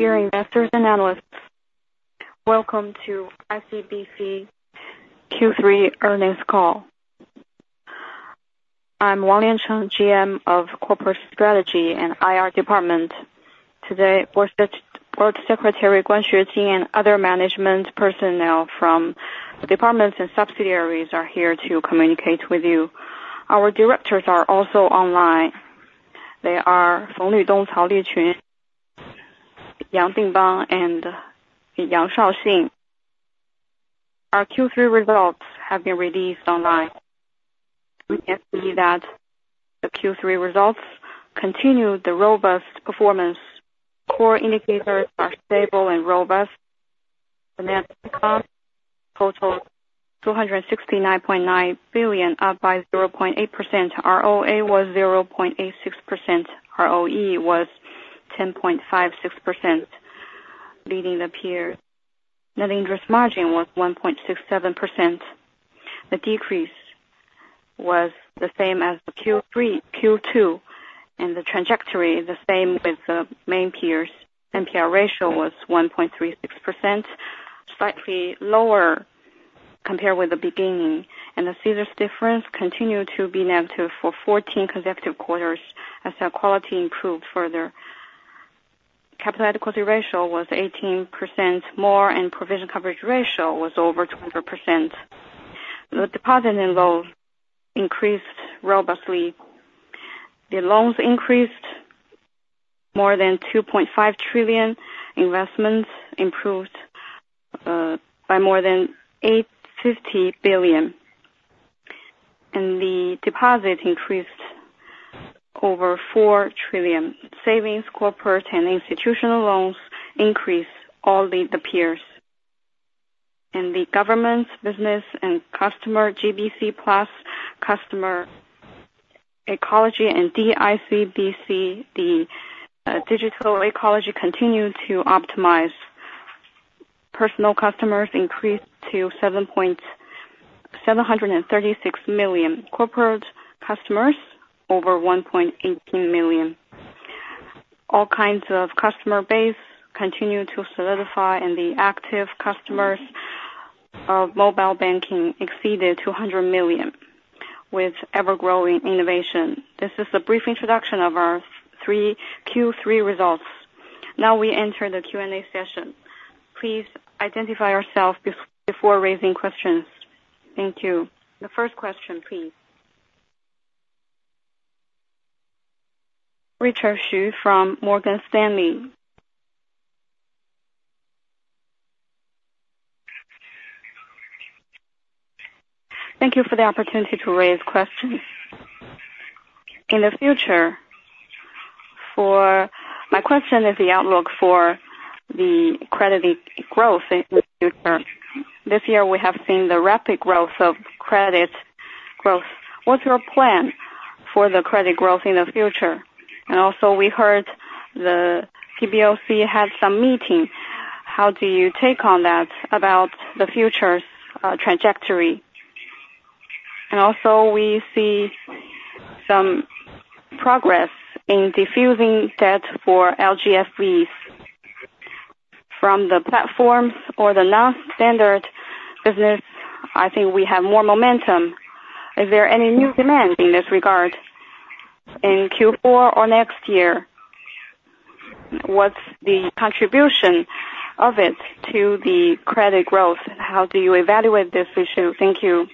Dear investors and analysts, welcome to ICBC Q3 earnings call. I'm Wang Liancheng, GM of Corporate Strategy and IR Department. Today, Board Secretary, Guan Xueqing, and other management personnel from departments and subsidiaries are here to communicate with you. Our directors are also online. They are Feng Weidong, Cao Liqun, Dong Yang, and Yang Siu Shun. Our Q3 results have been released online. We can see that the Q3 results continued the robust performance. Core indicators are stable and robust. Financial account totaled 269.9 billion, up by 0.8%. ROA was 0.86%. ROE was 10.56%, leading the peers. Net interest margin was 1.67%. The decrease was the same as the Q2, and the trajectory is the same with the main peers. NPL ratio was 1.36%, slightly lower compared with the beginning, and the scissors difference continued to be negative for 14 consecutive quarters as their quality improved further. Capital equity ratio was 18% more, and provision coverage ratio was over 20%. The deposit and loans increased robustly. The loans increased more than 2.5 trillion, investments improved by more than 850 billion, and the deposit increased over 4 trillion. Savings, corporate, and institutional loans increased all the peers. The government, business, and customer GBC+ customer ecology and DICBC, the digital ecology continued to optimize. Personal customers increased to 736 million. Corporate customers, over 1.18 million. All kinds of customer base continued to solidify, and the active customers of mobile banking exceeded 200 million with ever-growing innovation. This is a brief introduction of our third quarter Q3 results. Now we enter the Q&A session. Please identify yourself before raising questions. Thank you. The first question, please. Richard Xu from Morgan Stanley. Thank you for the opportunity to raise questions. In the future, for my question is the outlook for the credit growth in the future. This year, we have seen the rapid growth of credit growth. What's your plan for the credit growth in the future? And also, we heard the PBOC had some meeting. How do you take on that about the future trajectory? And also we see some progress in diffusing debt for LGFVs. From the platforms or the non-standard business, I think we have more momentum. Is there any new demand in this regard in Q4 or next year? What's the contribution of it to the credit growth, and how do you evaluate this issue? Thank you.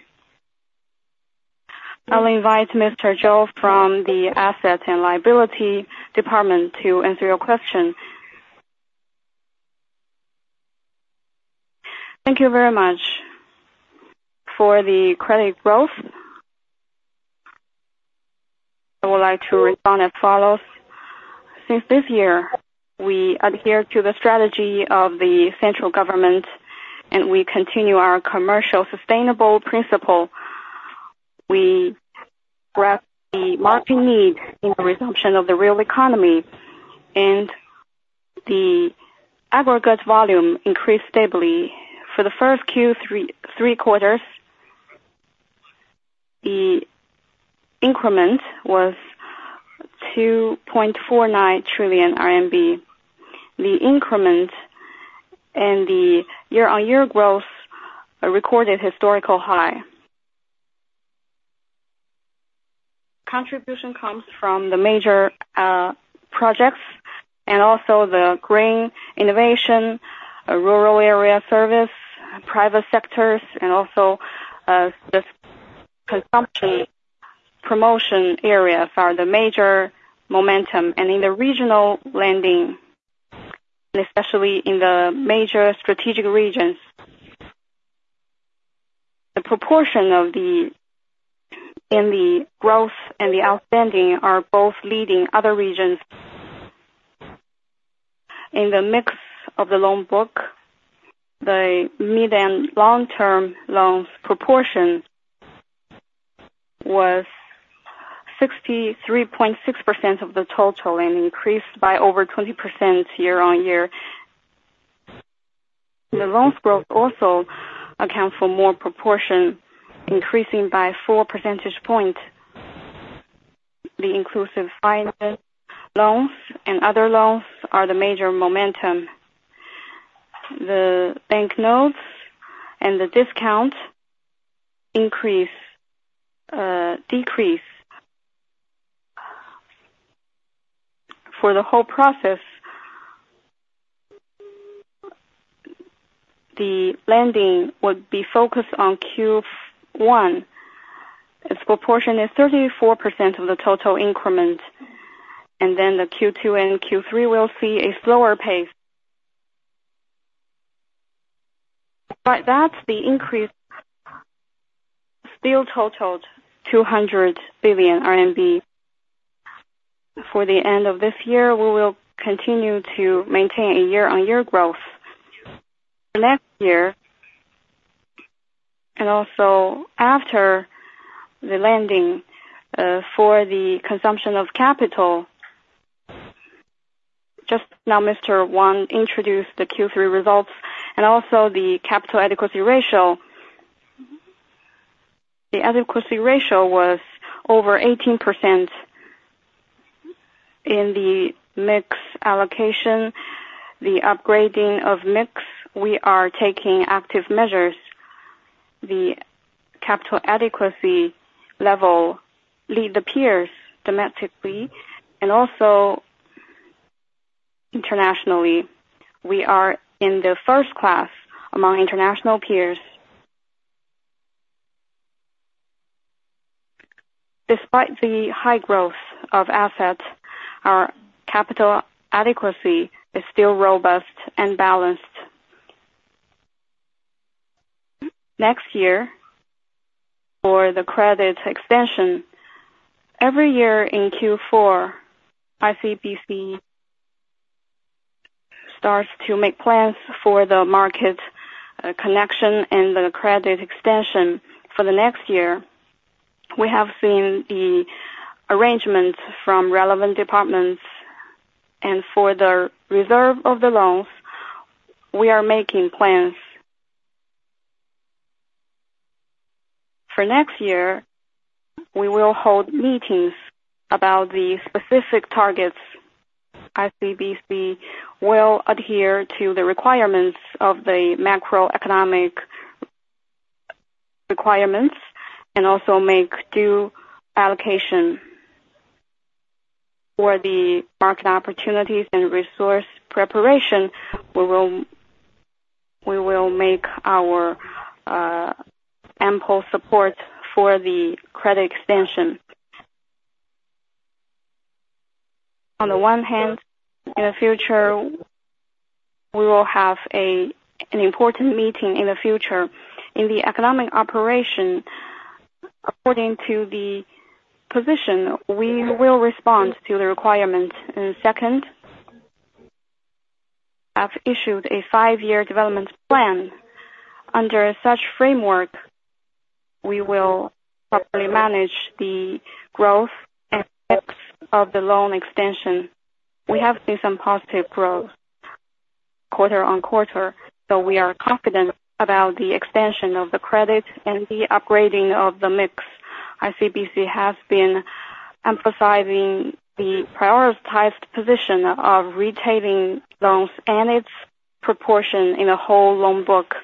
I'll invite Mr. Zhou from the Asset and Liability Department to answer your question. Thank you very much. For the credit growth, I would like to respond as follows. Since this year, we adhere to the strategy of the central government, and we continue our commercial sustainable principle. We grasp the market need in the resumption of the real economy, and the aggregate volume increased stably. For the first Q3, three quarters, the increment was 2.49 trillion RMB. The increment and the year-on-year growth recorded historical high. Contribution comes from the major projects and also the green innovation, rural area service, private sectors, and also this consumption promotion area are the major momentum. In the regional lending, especially in the major strategic regions, the proportion of the, in the growth and the outstanding are both leading other regions. In the mix of the loan book, the medium, long-term loans proportion was 63.6% of the total and increased by over 20% year-on-year. The loans growth also account for more proportion, increasing by 4 percentage point. The inclusive finance loans and other loans are the major momentum. The banknotes and the discount increase, decrease. For the whole process, the lending would be focused on Q1. Its proportion is 34% of the total increment, and then the Q2 and Q3 will see a slower pace. But that's the increase still totaled 200 billion RMB. For the end of this year, we will continue to maintain a year-on-year growth. Last year, and also after the lending, for the consumption of capital, just now, Mr. Wang introduced the Q3 results and also the capital adequacy ratio. The adequacy ratio was over 18% in the mix allocation, the upgrading of mix, we are taking active measures. The capital adequacy level lead the peers domestically and also internationally. We are in the first class among international peers. Despite the high growth of assets, our capital adequacy is still robust and balanced. Next year, for the credit extension, every year in Q4, ICBC starts to make plans for the market, connection and the credit extension for the next year. We have seen the arrangements from relevant departments, and for the reserve of the loans, we are making plans. For next year, we will hold meetings about the specific targets. ICBC will adhere to the requirements of the macroeconomic requirements and also make due allocation. For the market opportunities and resource preparation, we will, we will make our ample support for the credit extension. On the one hand, in the future, we will have a, an important meeting in the future. In the economic operation, according to the position, we will respond to the requirement. And second, I've issued a five-year development plan. Under such framework, we will properly manage the growth and of the loan extension. We have seen some positive growth quarter-on-quarter, so we are confident about the extension of the credit and the upgrading of the mix. ICBC has been emphasizing the prioritized position of retaining loans and its proportion in a whole loan book.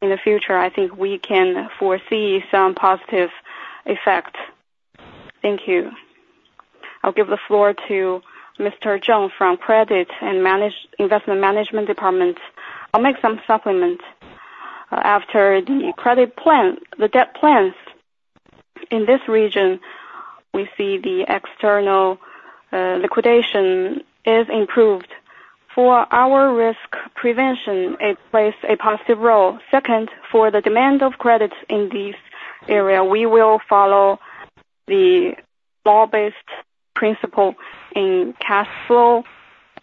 In the future, I think we can foresee some positive effect. Thank you. I'll give the floor to Mr. Zhang from Credit and Investment Management Department. I'll make some supplements. After the credit plan, the debt plans in this region, we see the external liquidation is improved. For our risk prevention, it plays a positive role. Second, for the demand of credits in this area, we will follow the law-based principle in cash flow,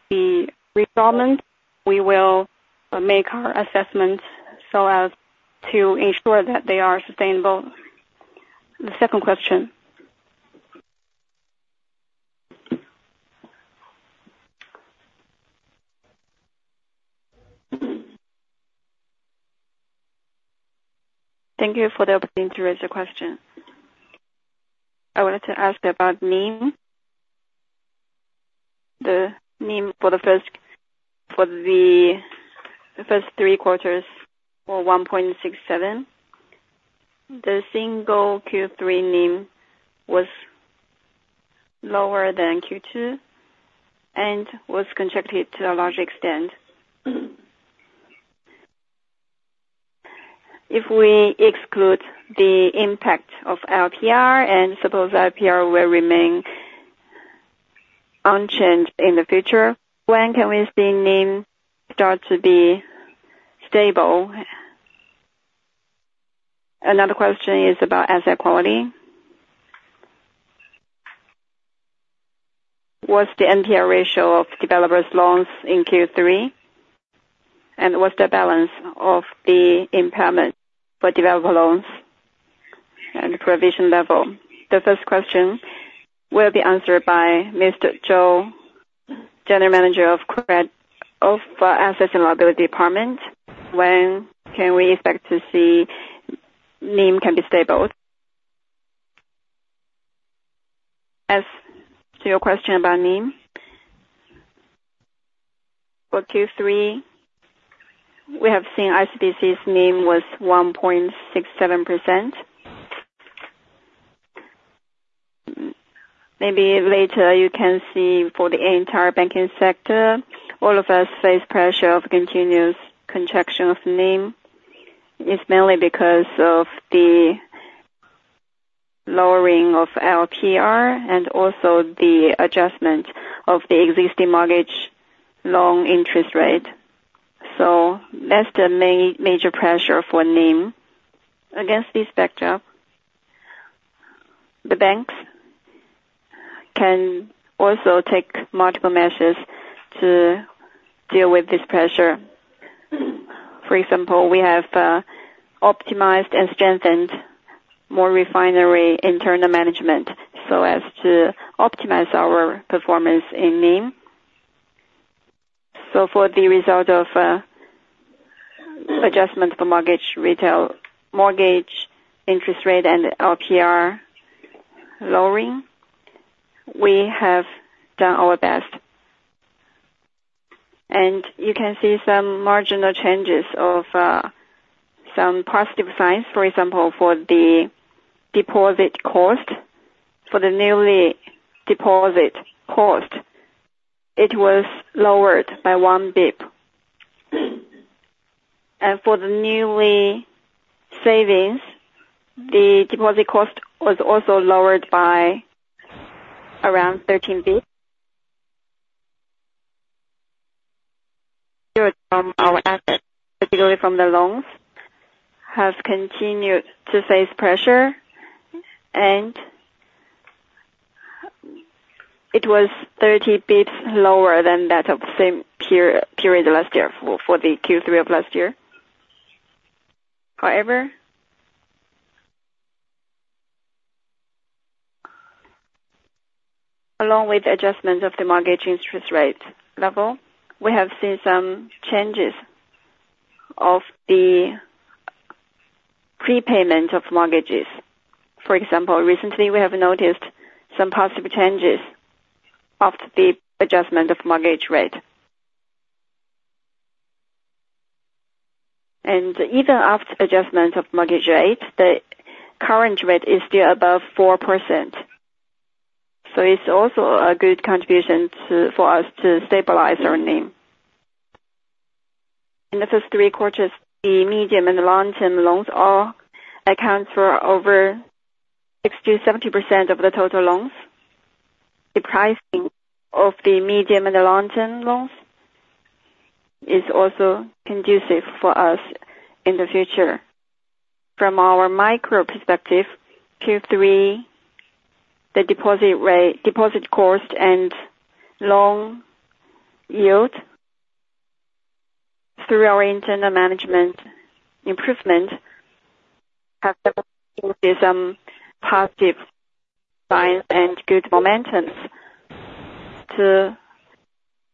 the requirement, we will make our assessments so as to ensure that they are sustainable. The second question? Thank you for the opportunity to raise the question. I wanted to ask about NIM. The NIM for the first three quarters were 1.67. The single Q3 NIM was lower than Q2 and was contracted to a large extent. If we exclude the impact of LPR, and suppose LPR will remain unchanged in the future, when can we see NIM start to be stable? Another question is about asset quality. What's the NPR ratio of developers' loans in Q3? And what's the balance of the impairment for developer loans? and provision level. The first question will be answered by Mr. Zhou, General Manager of Asset and Liability Management Department. When can we expect to see NIM can be stable? As to your question about NIM, for Q3, we have seen ICBC's NIM was 1.67%.Maybe later you can see for the entire banking sector, all of us face pressure of continuous contraction of NIM. It's mainly because of the lowering of LPR and also the adjustment of the existing mortgage loan interest rate. So that's the major pressure for NIM. Against this backdrop, the banks can also take multiple measures to deal with this pressure. For example, we have optimized and strengthened more refinery internal management so as to optimize our performance in NIM. So for the result of adjustment for mortgage, retail mortgage interest rate, and LPR lowering, we have done our best. And you can see some marginal changes of some positive signs. For example, for the deposit cost, for the newly deposit cost, it was lowered by 1 BIP. And for the newly savings, the deposit cost was also lowered by around 13 BIP. From our assets, particularly from the loans, have continued to face pressure, and it was 30 BIPs lower than that of the same period last year for the Q3 of last year. However, along with the adjustment of the mortgage interest rate level, we have seen some changes of the prepayment of mortgages. For example, recently we have noticed some positive changes after the adjustment of mortgage rate. And even after adjustment of mortgage rate, the current rate is still above 4%. So it's also a good contribution to, for us to stabilize our NIM. In the first three quarters, the medium and the long-term loans all account for over 60-70% of the total loans. The pricing of the medium and the long-term loans is also conducive for us in the future. From our micro perspective, Q3, the deposit rate, deposit cost, and loan yield through our internal management improvement, have some positive signs and good momentums to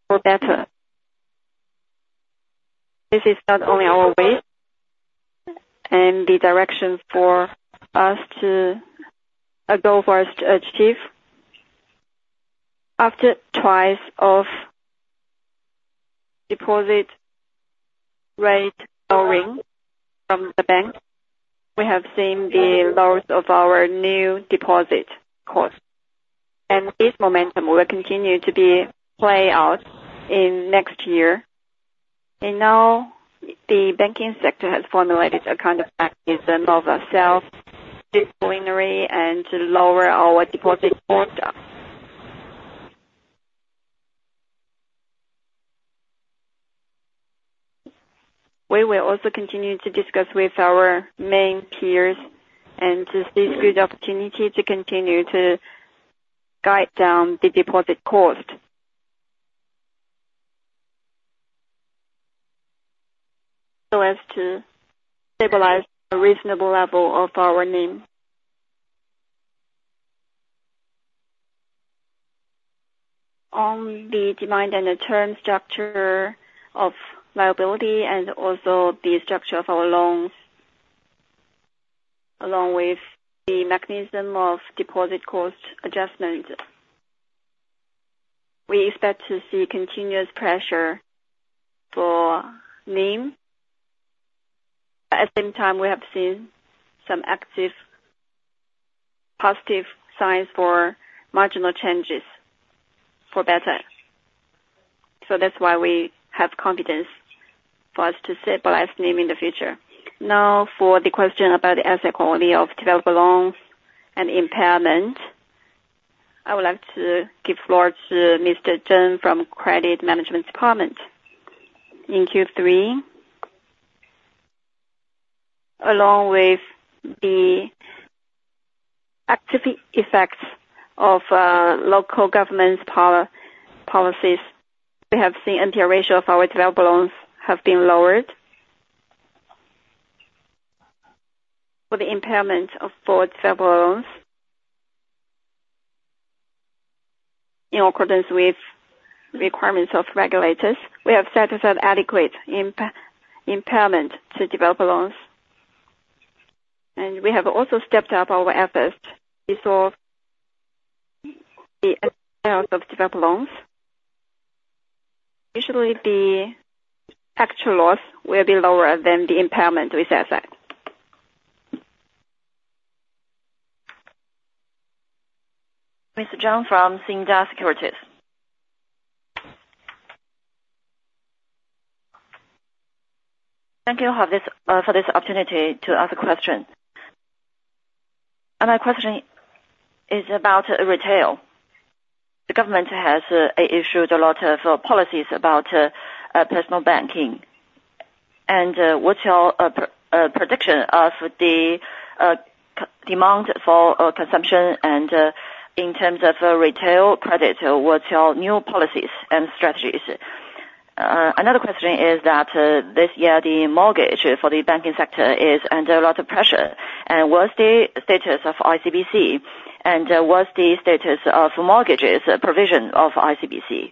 go better. This is not only our way and the direction for us to, a goal for us to achieve. After twice of deposit rate lowering from the bank, we have seen the lows of our new deposit cost, and this momentum will continue to be play out in next year. And now the banking sector has formulated a kind of practice of self-disciplinary and to lower our deposit cost. We will also continue to discuss with our main peers and to see good opportunity to continue to guide down the deposit cost. so as to stabilize a reasonable level of our NIM. On the demand and the term structure of liability and also the structure of our loans, along with the mechanism of deposit cost adjustment, we expect to see continuous pressure for NIM. At the same time, we have seen some active positive signs for marginal changes for better. That's why we have confidence for us to stabilize NIM in the future. Now, for the question about the asset quality of developable loans and impairment, I would like to give floor to Mr. Chen from Credit Management Department. In Q3, along with the active effects of local government's policies, we have seen NPL ratio of our developer loans have been lowered. For the impairment of forward several loans, in accordance with requirements of regulators, we have set aside adequate impairment to develop loans, and we have also stepped up our efforts to resolve the of developed loans. Usually, the actual loss will be lower than the impairment we set. Mr. John from Cinda Securities. Thank you for this for this opportunity to ask a question. My question is about retail. The government has issued a lot of policies about personal banking. What's your prediction of the demand for consumption and in terms of retail credit, what's your new policies and strategies? Another question is that this year, the mortgage for the banking sector is under a lot of pressure, and what's the status of ICBC, and what's the status of mortgages provision of ICBC?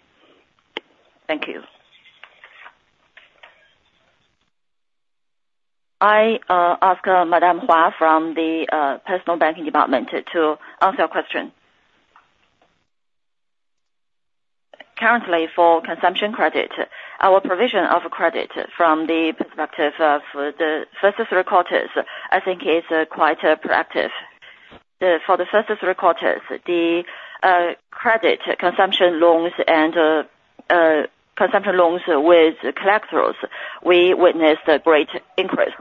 Thank you. I ask Madame Hua from the personal banking department to answer your question. Currently, for consumption credit, our provision of credit from the perspective of the first three quarters, I think is quite proactive. For the first three quarters, credit consumption loans and consumption loans with collaterals, we witnessed a great increase.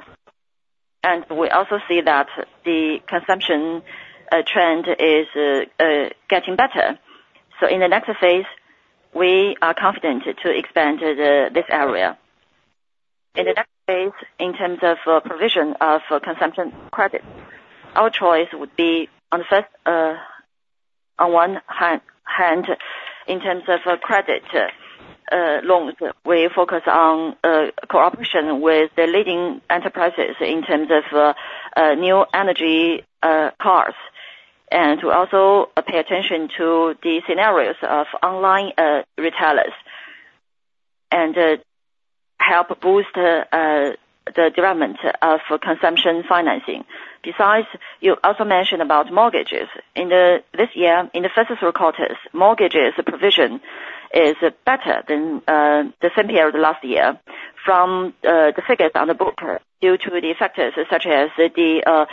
And we also see that the consumption trend is getting better. So in the next phase, we are confident to expand this area. In the next phase, in terms of provision of consumption credit, our choice would be first, on one hand, in terms of credit loans, we focus on cooperation with the leading enterprises in terms of new energy cars, and to also pay attention to the scenarios of online retailers, and help boost the development of consumption financing. Besides, you also mentioned about mortgages. In this year, in the first three quarters, mortgages provision is better than the same period last year from the figures on the book, due to the factors such as the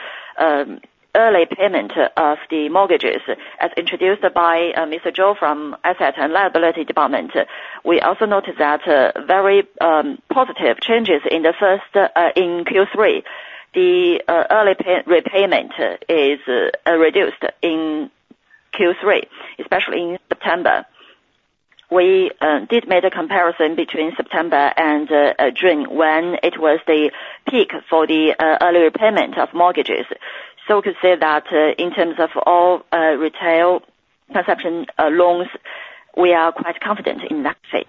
early payment of the mortgages, as introduced by Mr. Zhou from Asset and Liability Management Department. We also noticed that very positive changes in the first in Q3. The early repayment is reduced in Q3, especially in September. We did make a comparison between September and June, when it was the peak for the early repayment of mortgages. So we could say that in terms of all retail consumption loans, we are quite confident in that phase.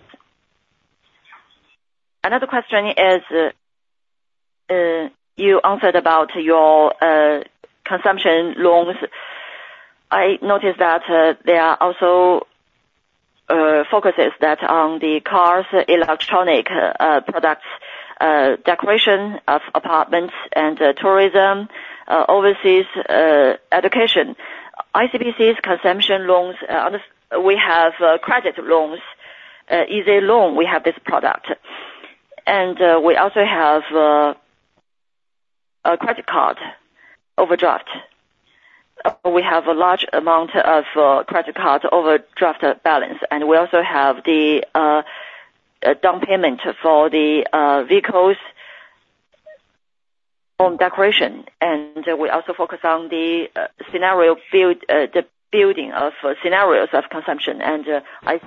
Another question is you answered about your consumption loans. I noticed that there are also focuses on the cars, electronic products, decoration of apartments and tourism, overseas education. ICBC's consumption loans—we have credit loans, easy loan, we have this product. And we also have a credit card overdraft. We have a large amount of credit card overdraft balance, and we also have the down payment for the vehicles and decoration. And we also focus on the scenario build, the building of scenarios of consumption, and I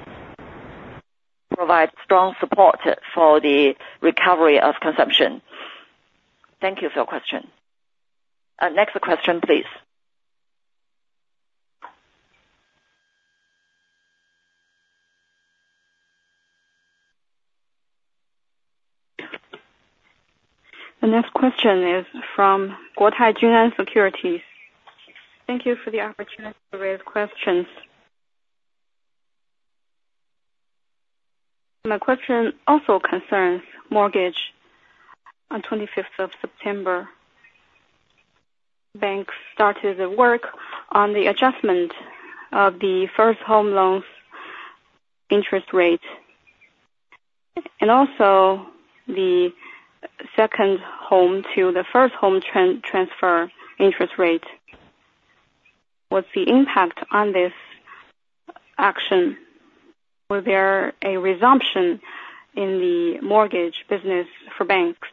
provide strong support for the recovery of consumption. Thank you for your question. Next question, please. The next question is from Guotai Junan Securities. Thank you for the opportunity to raise questions. My question also concerns mortgage. On 25th of September, banks started the work on the adjustment of the first home loans interest rate, and also the second home to the first home transfer interest rate. What's the impact on this action? Was there a resumption in the mortgage business for banks?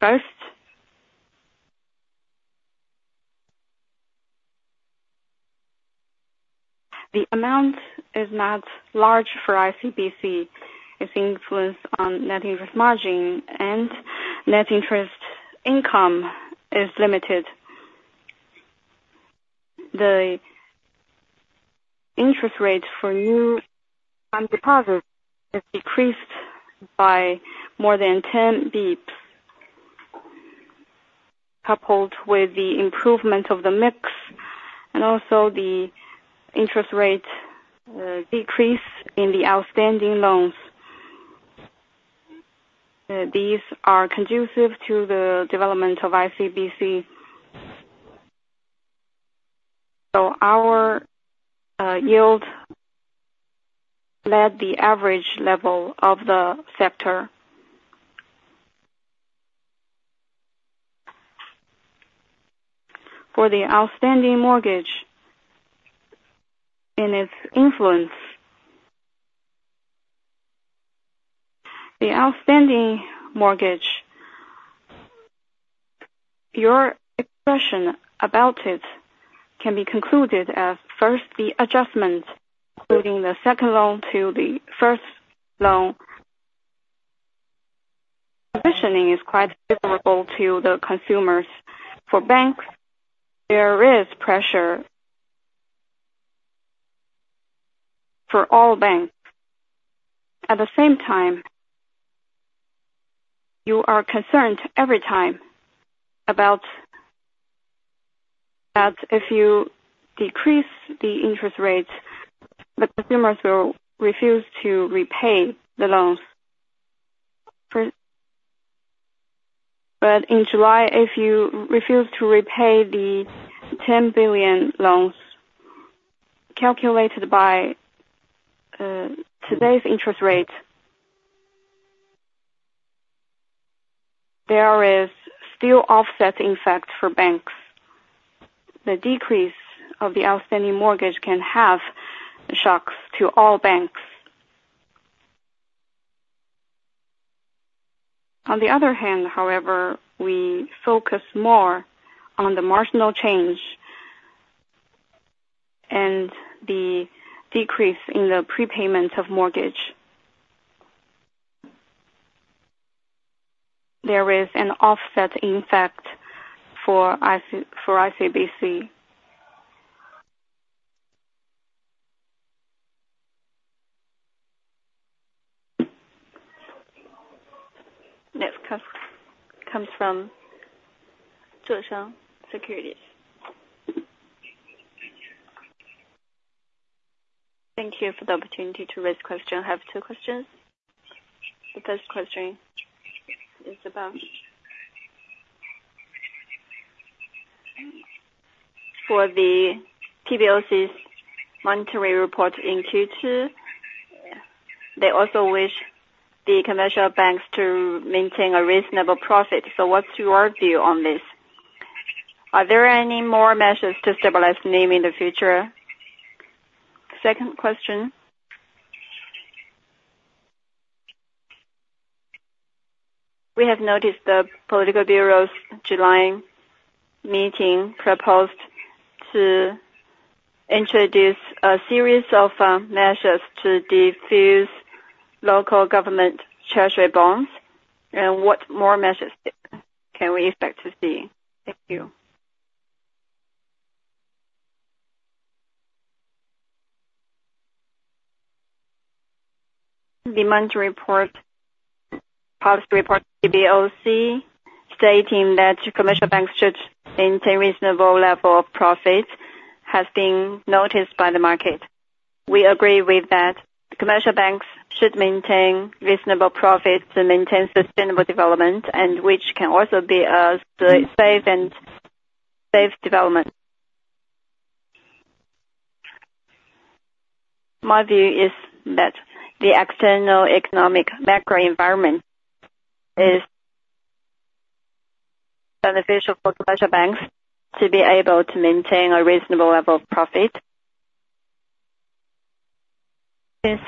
First? The amount is not large for ICBC. Its influence on net interest margin and net interest income is limited. The interest rate for new term deposits has decreased by more than 10 basis points. Coupled with the improvement of the mix and also the interest rate decrease in the outstanding loans. These are conducive to the development of ICBC. So our yield led the average level of the sector. For the outstanding mortgage and its influence, the outstanding mortgage, your expression about it can be concluded as, first, the adjustment, including the second loan to the first loan. Positioning is quite favorable to the consumers. For banks, there is pressure for all banks. At the same time, you are concerned every time about that if you decrease the interest rates, the consumers will refuse to repay the loans. But in July, if you refuse to repay the 10 billion loans calculated by today's interest rate, there is still offset effect for banks. The decrease of the outstanding mortgage can have shocks to all banks. On the other hand, however, we focus more on the marginal change and the decrease in the prepayment of mortgage. There is an offset impact for ICBC. Next comes from Zheshang Securities. Thank you for the opportunity to raise question. I have two questions. The first question is about for the PBOC's monetary report in Q2. They also wish the commercial banks to maintain a reasonable profit. So what's your view on this? Are there any more measures to stabilize NIM in the future? Second question. We have noticed the Political Bureau's July meeting proposed to introduce a series of measures to defuse local government treasury bonds. What more measures can we expect to see? Thank you. The monthly report, policy report, PBOC, stating that commercial banks should maintain reasonable level of profits, has been noticed by the market. We agree with that. Commercial banks should maintain reasonable profits to maintain sustainable development, and which can also be a safe and safe development. My view is that the external economic macro environment is beneficial for commercial banks to be able to maintain a reasonable level of profit. Since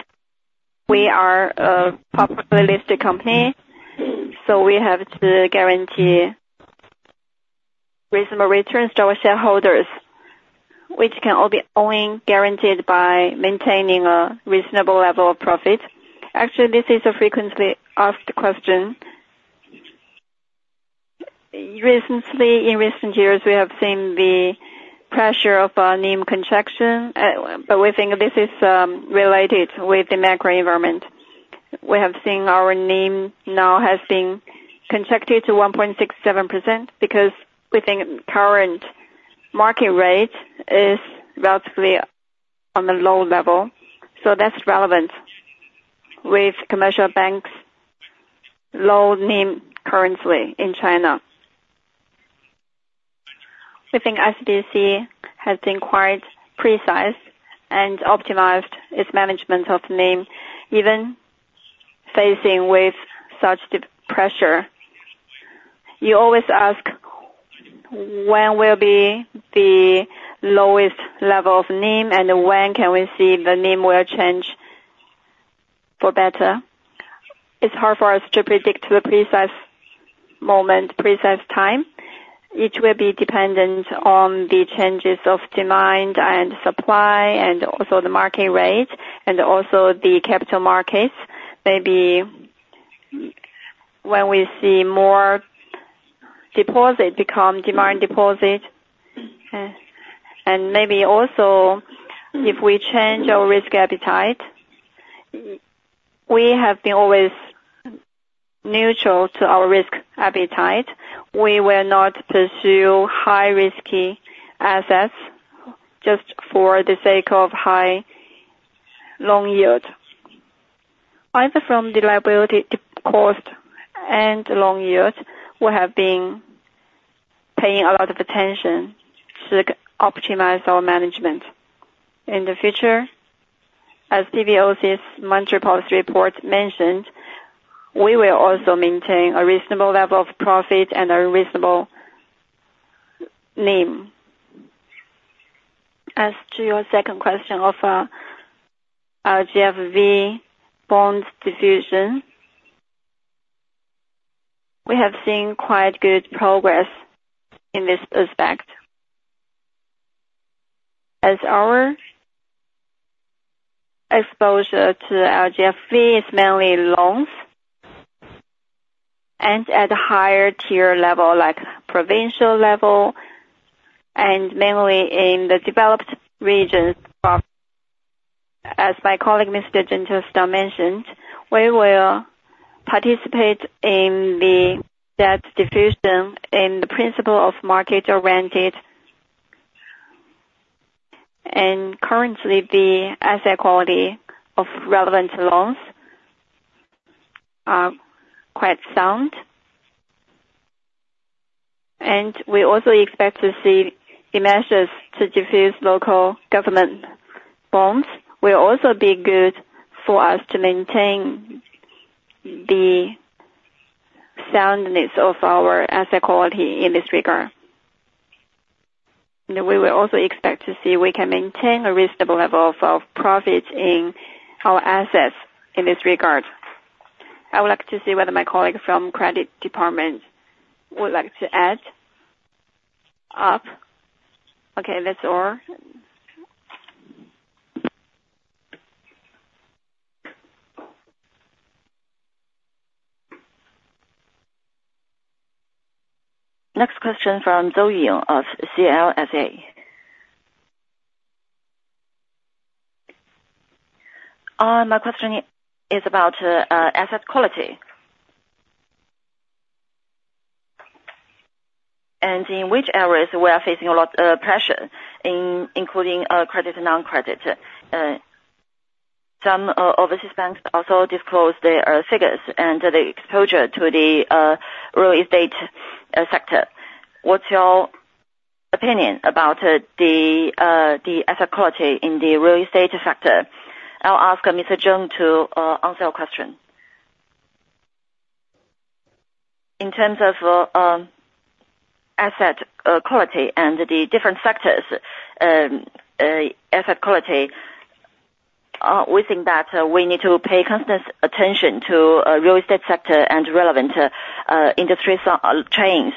we are a publicly listed company, so we have to guarantee reasonable returns to our shareholders, which can all be only guaranteed by maintaining a reasonable level of profit. Actually, this is a frequently asked question. Recently, in recent years, we have seen the pressure of NIM contraction, but we think this is related with the macro environment. We have seen our NIM now has been contracted to 1.67% because we think current market rate is relatively on the low level. So that's relevant with commercial banks' low NIM currently in China. We think ICBC has been quite precise and optimized its management of NIM, even facing with such downward pressure. You always ask, when will be the lowest level of NIM? And when can we see the NIM will change? for better. It's hard for us to predict the precise moment, precise time. It will be dependent on the changes of demand and supply, and also the market rate, and also the capital markets. Maybe when we see more deposit become demand deposit, and maybe also if we change our risk appetite. We have been always neutral to our risk appetite. We will not pursue high risky assets just for the sake of high long yield. Either from the liability cost and long yield, we have been paying a lot of attention to optimize our management. In the future, as PBOC's monthly post report mentioned, we will also maintain a reasonable level of profit and a reasonable NIM. As to your second question of our LGFV bond diffusion, we have seen quite good progress in this aspect. As our exposure to LGFV is mainly loans, and at a higher tier level, like provincial level, and mainly in the developed regions. But as my colleague, Mr. Jinjusa mentioned, we will participate in the debt diffusion in the principle of market-oriented. And currently, the asset quality of relevant loans are quite sound. And we also expect to see the measures to diffuse local government bonds will also be good for us to maintain the soundness of our asset quality in this regard. And we will also expect to see we can maintain a reasonable level of profits in our assets in this regard. I would like to see whether my colleague from credit department would like to add up. Okay, that's all. Next question from Zou Ying of CLSA. My question is about asset quality. And in which areas we are facing a lot pressure in- including credit and non-credit. Some overseas banks also disclose their figures and the exposure to the real estate sector. What's your opinion about the asset quality in the real estate sector? I'll ask Mr. Zhang to answer your question. In terms of asset quality and the different sectors, asset quality, we think that we need to pay constant attention to real estate sector and relevant industry chains.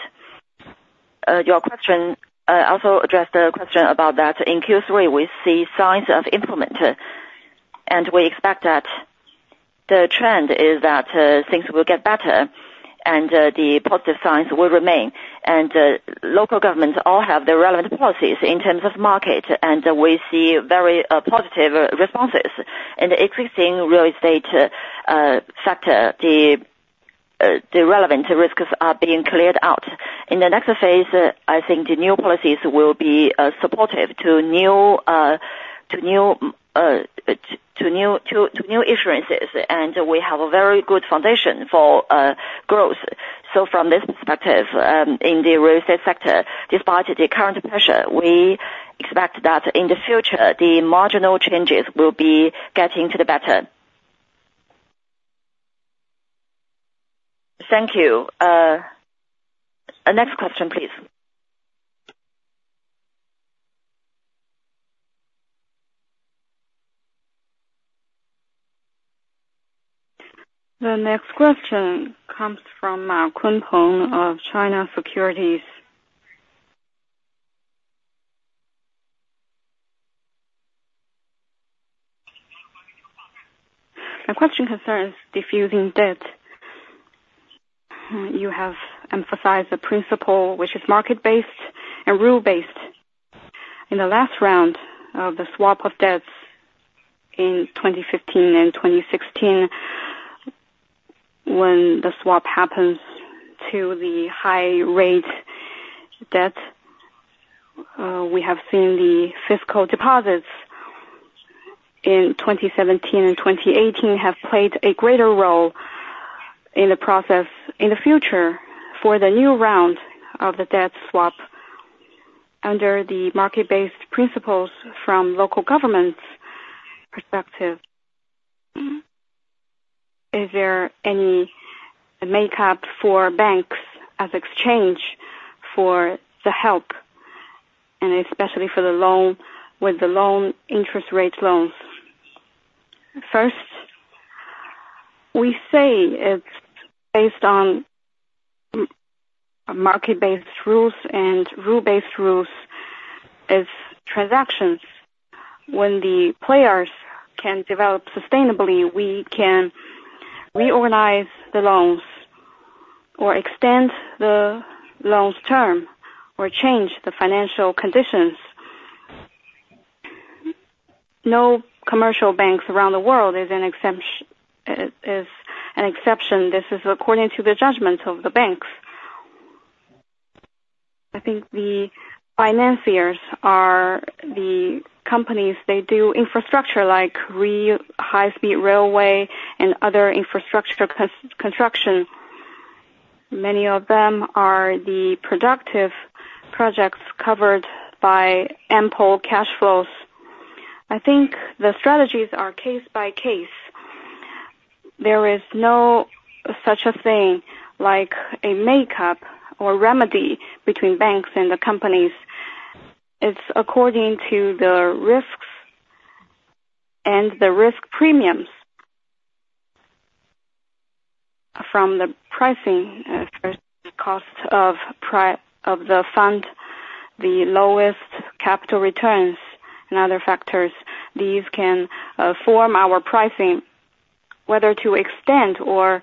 Your question also addressed a question about that. In Q3, we see signs of improvement, and we expect that the trend is that things will get better, and the positive signs will remain. Local governments all have their relevant policies in terms of market, and we see very positive responses. In the increasing real estate sector, the relevant risks are being cleared out. In the next phase, I think the new policies will be supportive to new, to new, to new insurances, and we have a very good foundation for growth. So from this perspective, in the real estate sector, despite the current pressure, we expect that in the future, the marginal changes will be getting to the better. Thank you. Next question, please. The next question comes from Ma Kunpeng of China Securities. My question concerns defusing debt. You have emphasized the principle, which is market-based and rule-based. In the last round of the swap of debts in 2015 and 2016, when the swap happens to the high rate debt, we have seen the fiscal deposits in 2017 and 2018 have played a greater role in the process. In the future, for the new round of the debt swap, under the market-based principles from local government's perspective, is there any makeup for banks as exchange for the help? And especially for the loan, with the loan interest rates loans. First, we say it's based on market-based rules and rule-based rules is transactions. When the players can develop sustainably, we can reorganize the loans or extend the loan's term or change the financial conditions. No commercial banks around the world is an exception. This is according to the judgment of the banks. I think the financiers are the companies, they do infrastructure like high-speed railway and other infrastructure construction. Many of them are the productive projects covered by ample cash flows. I think the strategies are case by case. There is no such a thing like a makeup or remedy between banks and the companies. It's according to the risks and the risk premiums. From the pricing, first cost of pricing of the fund, the lowest capital returns and other factors, these can form our pricing. Whether to extend or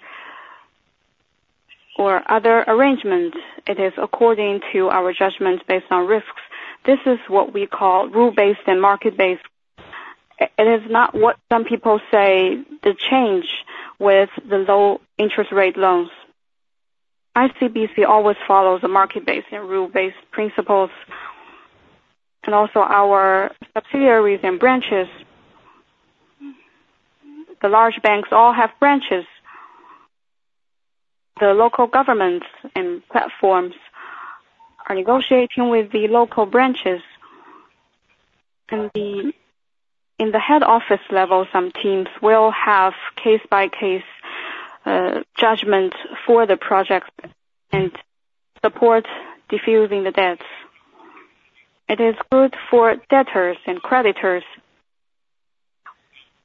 other arrangements, it is according to our judgment based on risks. This is what we call rule-based and market-based. It is not what some people say, the change with the low interest rate loans. ICBC always follows the market-based and rule-based principles, and also our subsidiaries and branches. The large banks all have branches. The local governments and platforms are negotiating with the local branches, and in the head office level, some teams will have case-by-case judgment for the projects and support diffusing the debts. It is good for debtors and creditors.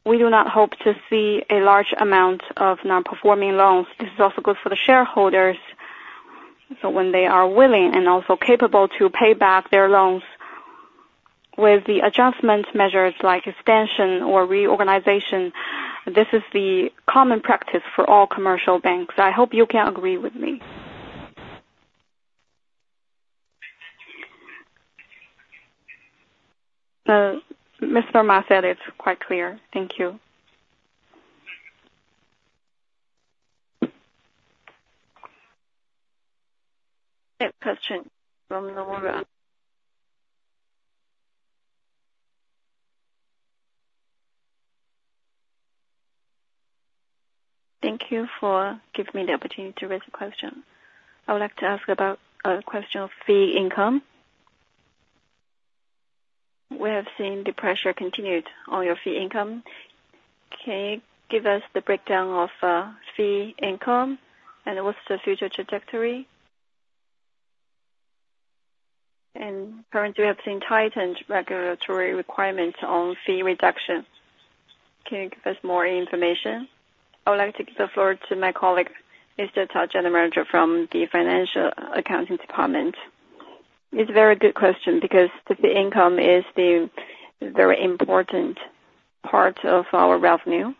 We do not hope to see a large amount of non-performing loans. This is also good for the shareholders, so when they are willing and also capable to pay back their loans with the adjustment measures like extension or reorganization, this is the common practice for all commercial banks. I hope you can agree with me. Mr. Marcel, it's quite clear. Thank you. Next question from the line. Thank you for giving me the opportunity to ask a question. I would like to ask about a question of fee income. We have seen the pressure continued on your fee income. Can you give us the breakdown of fee income, and what's the future trajectory? And currently, we have seen tightened regulatory requirements on fee reduction. Can you give us more information? I would like to give the floor to my colleague, Mr. Tao, General Manager from the Financial Accounting Department. It's a very good question because the fee income is the very important part of our revenue.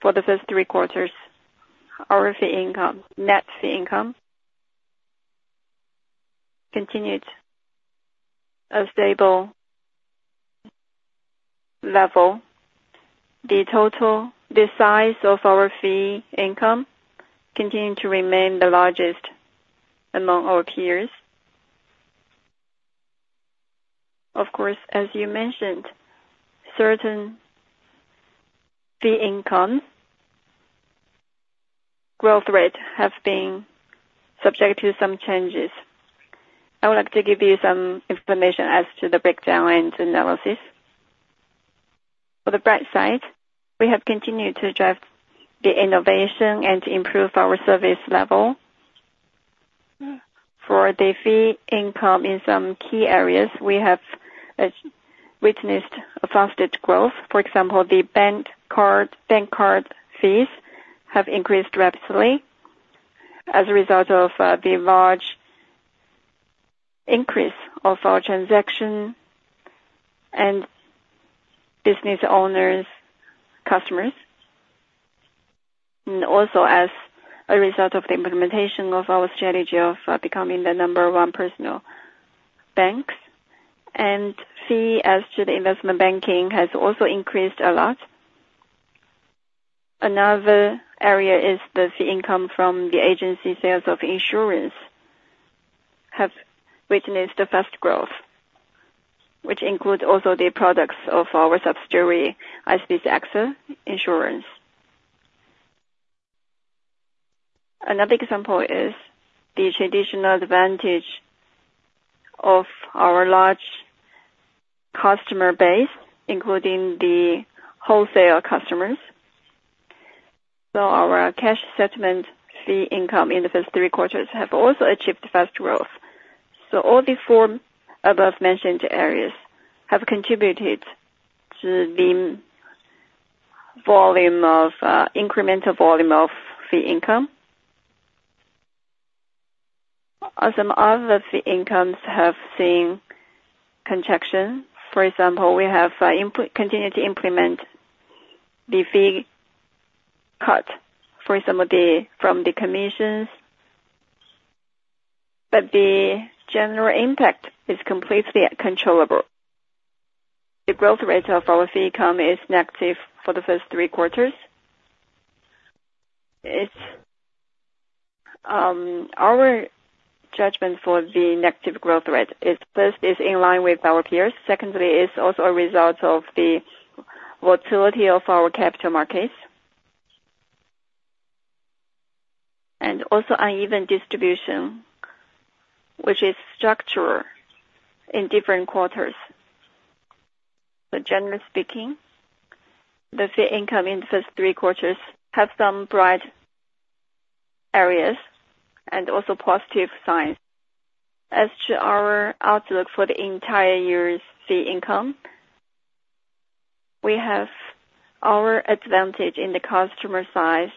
For the first three quarters, our fee income, net fee income continued a stable level. The total, the size of our fee income continue to remain the largest among our peers. Of course, as you mentioned, certain fee income growth rate have been subject to some changes. I would like to give you some information as to the breakdown and analysis. For the bright side, we have continued to drive the innovation and improve our service level. For the fee income in some key areas, we have witnessed a faster growth. For example, the bank card, bank card fees have increased rapidly as a result of the large increase of our transaction and business owners, customers. As a result of the implementation of our strategy of becoming the number one personal banks, and fees from the investment banking has also increased a lot. Another area is the fee income from the agency sales of insurance have witnessed a fast growth, which includes also the products of our subsidiary, ICBC AXA Insurance. Another example is the traditional advantage of our large customer base, including the wholesale customers. So our cash settlement fee income in the first three quarters have also achieved fast growth. So all the four above mentioned areas have contributed to the volume of incremental volume of fee income. Some other fee incomes have seen contraction. For example, we have continued to implement the fee cut for some of the from the commissions, but the general impact is completely controllable. The growth rate of our fee income is negative for the first three quarters. It's our judgment for the negative growth rate is first in line with our peers. Secondly, it's also a result of the volatility of our capital markets. And also uneven distribution, which is structural in different quarters. But generally speaking, the fee income in the first three quarters have some bright areas and also positive signs. As to our outlook for the entire year's fee income, we have our advantage in the customer size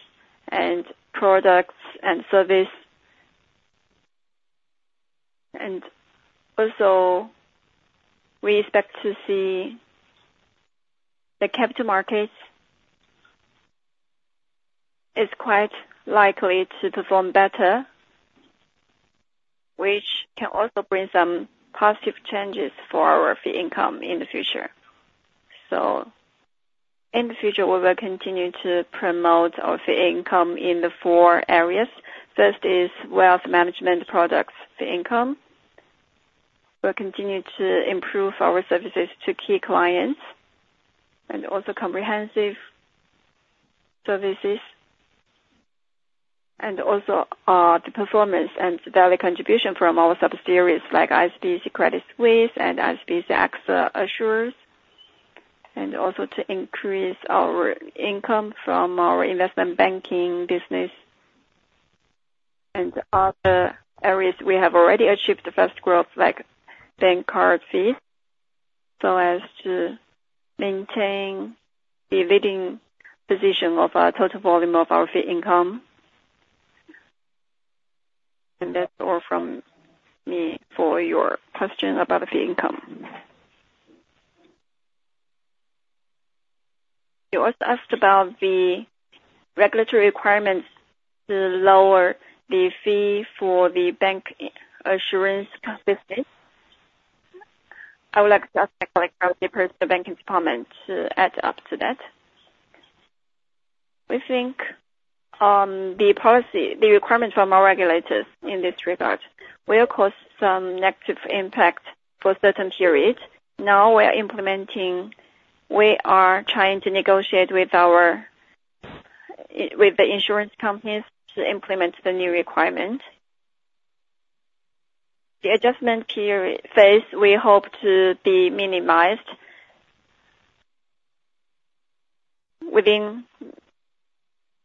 and products and service. And also we expect to see the capital markets is quite likely to perform better, which can also bring some positive changes for our fee income in the future. So in the future, we will continue to promote our fee income in the four areas. First is wealth management products fee income. We'll continue to improve our services to key clients, and also comprehensive services, and also, the performance and value contribution from our subsidiaries, like ICBC Credit Suisse and ICBC AXA Assurers, and also to increase our income from our investment banking business. And other areas we have already achieved the first growth, like bank card fees, so as to maintain the leading position of our total volume of our fee income. And that's all from me for your question about the fee income. You also asked about the regulatory requirements to lower the fee for the bank insurance business. I would like to ask my colleague from the personal banking department to add up to that. We think, the policy, the requirements from our regulators in this regard will cause some negative impact for certain periods. Now we are implementing; we are trying to negotiate with our, with the insurance companies to implement the new requirement. The adjustment period phase, we hope to be minimized. Within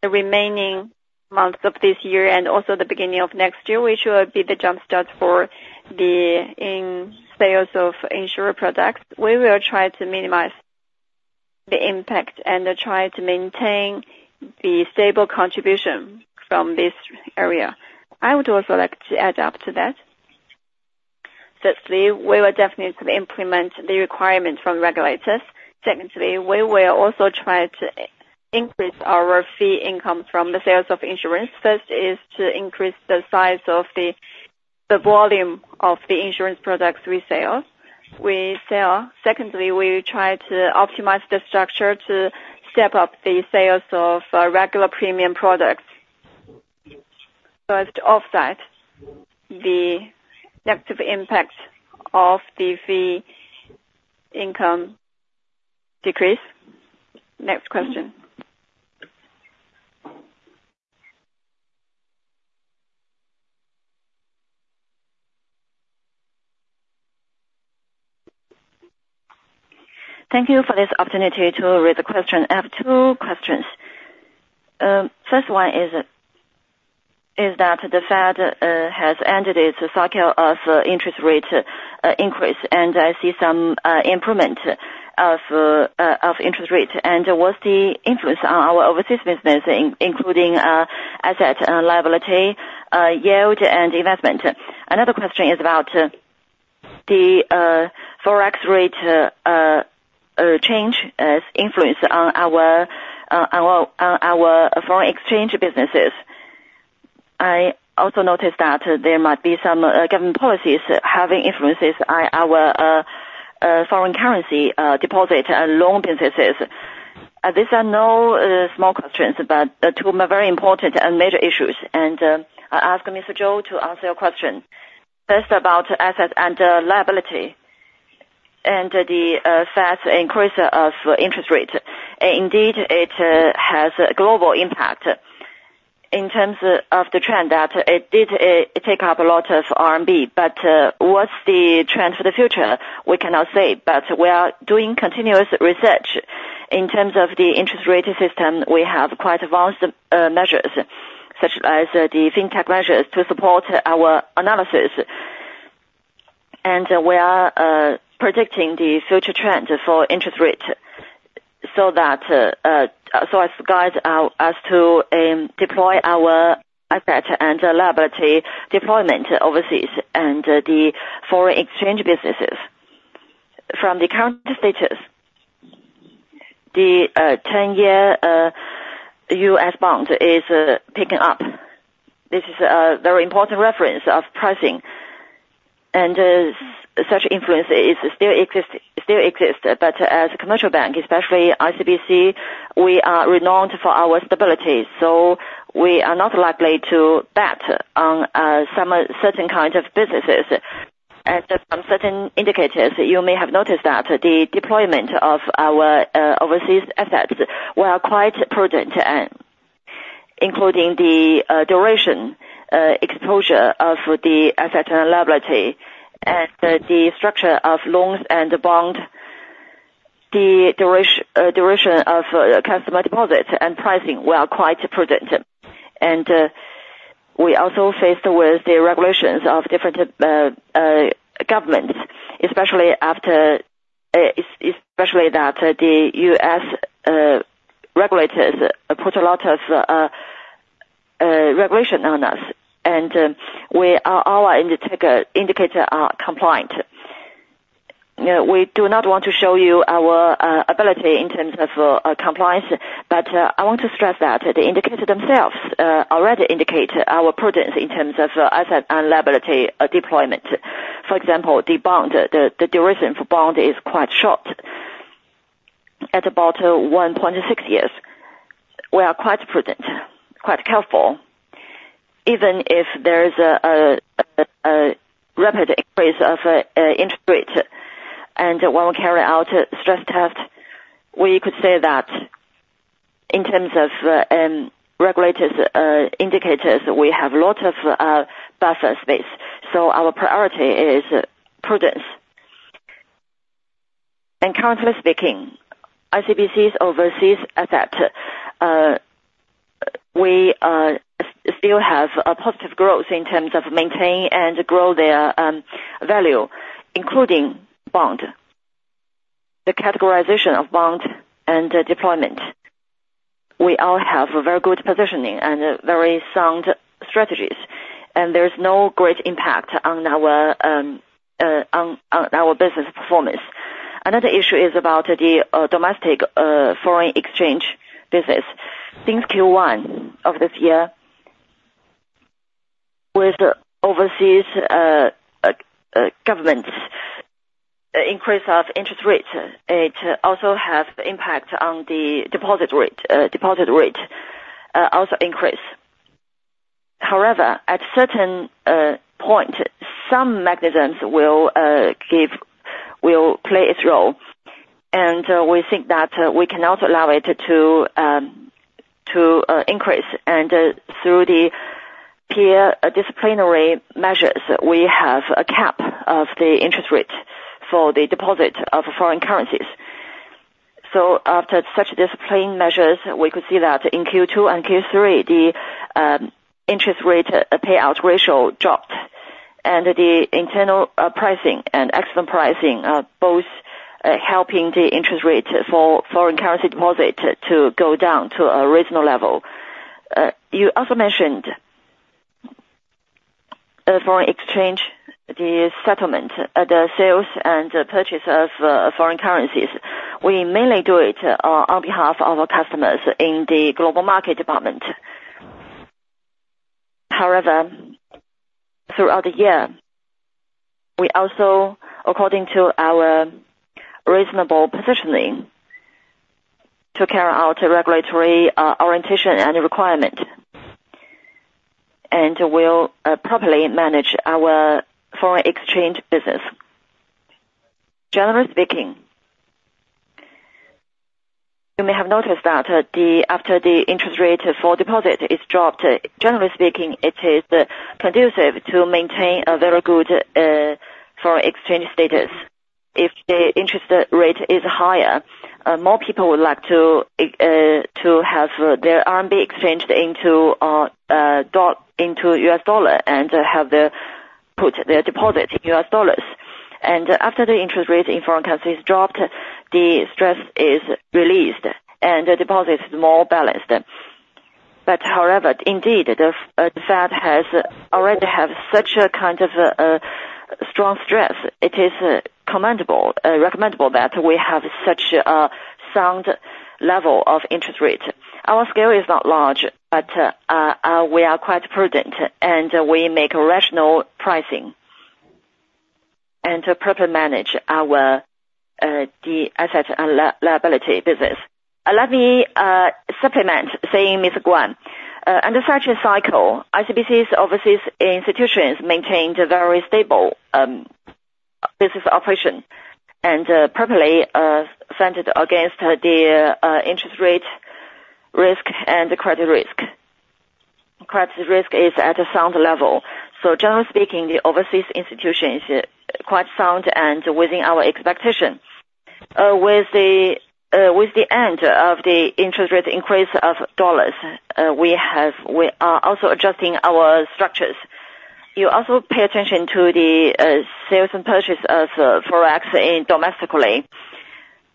the remaining months of this year and also the beginning of next year, which will be the jumpstart for the in-sales of insurer products. We will try to minimize the impact and try to maintain the stable contribution from this area. I would also like to add up to that. Firstly, we will definitely implement the requirements from regulators. Secondly, we will also try to increase our fee income from the sales of insurance. First is to increase the size of the, the volume of the insurance products we sell, we sell. Secondly, we try to optimize the structure to step up the sales of regular premium products. First, offset the negative impact of the fee income decrease. Next question. Thank you for this opportunity to read the question. I have two questions. First one is, is that the Fed has ended its cycle of interest rate increase, and I see some improvement of interest rate. And what's the influence on our business, including asset and liability yield and investment? Another question is about the Forex rate change as influence on our foreign exchange businesses. I also noticed that there might be some government policies having influences on our foreign currency deposit and loan businesses. These are no small questions, but the two are very important and major issues. And I ask Mr. Zhou to answer your question. First, about assets and liability and the fast increase of interest rate. Indeed, it has a global impact in terms of, of the trend that it did, it take up a lot of RMB, but, what's the trend for the future? We cannot say, but we are doing continuous research. In terms of the interest rate system, we have quite advanced measures, such as the fintech measures to support our analysis. And we are predicting the future trend for interest rate so that so as guide us to deploy our asset and liability deployment overseas and the foreign exchange businesses. From the current status, the 10-year U.S. bond is picking up. This is a very important reference of pricing, and such influence is still exist, but as a commercial bank, especially ICBC, we are renowned for our stability, so we are not likely to bet on some certain kind of businesses. And from certain indicators, you may have noticed that the deployment of our overseas assets were quite prudent, including the duration, exposure of the asset and liability and the structure of loans and bond, the duration of customer deposits and pricing were quite prudent. And we also faced with the regulations of different governments, especially after especially that the U.S. regulators put a lot of regulation on us, and we are, our indicator are compliant. You know, we do not want to show you our ability in terms of compliance, but I want to stress that the indicators themselves already indicate our prudence in terms of asset and liability deployment. For example, the bond duration for bond is quite short, at about 1.6 years. We are quite prudent, quite careful, even if there is a rapid increase of interest rate. And when we carry out stress test, we could say that in terms of regulators indicators, we have a lot of buffer space, so our priority is prudence. And currently speaking, ICBC's overseas asset, we still have a positive growth in terms of maintaining and grow their value, including bond, the categorization of bond and deployment. We all have a very good positioning and very sound strategies, and there's no great impact on our business performance. Another issue is about the domestic foreign exchange business. Since Q1 of this year, with overseas governments increase of interest rates, it also has impact on the deposit rate. Deposit rate also increase. However, at certain point, some mechanisms will play its role, and we think that we cannot allow it to increase. Through the peer disciplinary measures, we have a cap of the interest rate for the deposit of foreign currencies. So after such discipline measures, we could see that in Q2 and Q3, the interest rate payout ratio dropped, and the internal pricing and external pricing are both helping the interest rate for foreign currency deposit to go down to a reasonable level. You also mentioned foreign exchange, the settlement, the sales, and purchase of foreign currencies. We mainly do it on behalf of our customers in the global market department. However, throughout the year, we also, according to our reasonable positioning, took care of regulatory orientation and requirement, and we'll properly manage our foreign exchange business. Generally speaking, you may have noticed that, after the interest rate for deposit is dropped, generally speaking, it is conducive to maintain a very good foreign exchange status. If the interest rate is higher, more people would like to have their RMB exchanged into US dollar and have their, put their deposit in US dollars. After the interest rate in foreign currencies dropped, the stress is released, and the deposit is more balanced. However, indeed, the Fed has already have such a kind of strong stress. It is commendable, recommendable that we have such a sound level of interest rate. Our scale is not large, but we are quite prudent, and we make rational pricing and properly manage our, the asset and liability business. Let me supplement saying, Mr. Guan, under such a cycle, ICBC's overseas institutions maintained a very stable business operation and properly centered against the interest rate risk and the credit risk. Credit risk is at a sound level. So generally speaking, the overseas institution is quite sound and within our expectation. With the end of the interest rate increase of dollars, we are also adjusting our structures. You also pay attention to the sales and purchase of Forex domestically.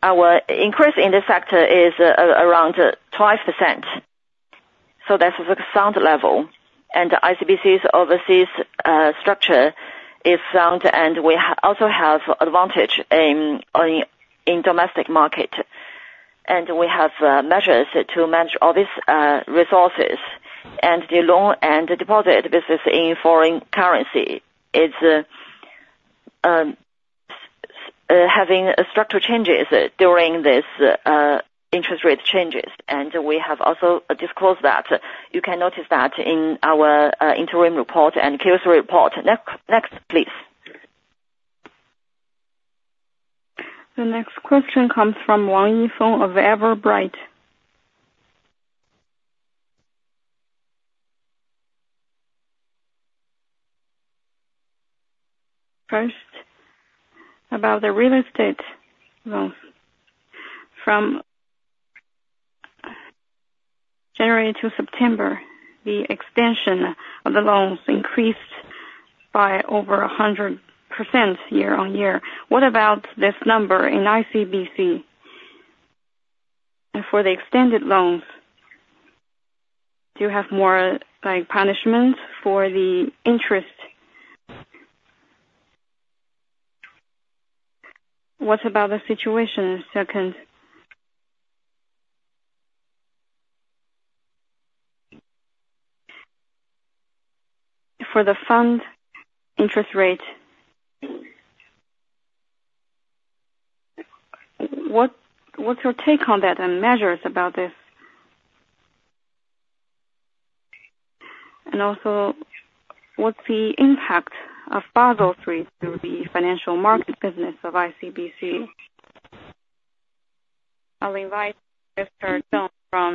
Our increase in this sector is around 12%, so that's at a sound level. And ICBC's overseas structure is sound, and we also have advantage in domestic market, and we have measures to manage all these resources. And the loan and deposit business in foreign currency is having structural changes during this interest rate changes. And we have also disclosed that. You can notice that in our interim report and Q3 report. Next, please. The next question comes from Wang Yifeng of Everbright. First, about the real estate loans. From January to September, the extension of the loans increased by over 100% year-on-year. What about this number in ICBC? And for the extended loans, do you have more, like, punishments for the interest? What about the situation, second? For the fund interest rate, what's your take on that and measures about this? And also, what's the impact of Basel III through the financial market business of ICBC? I'll invite Mr. Zhang from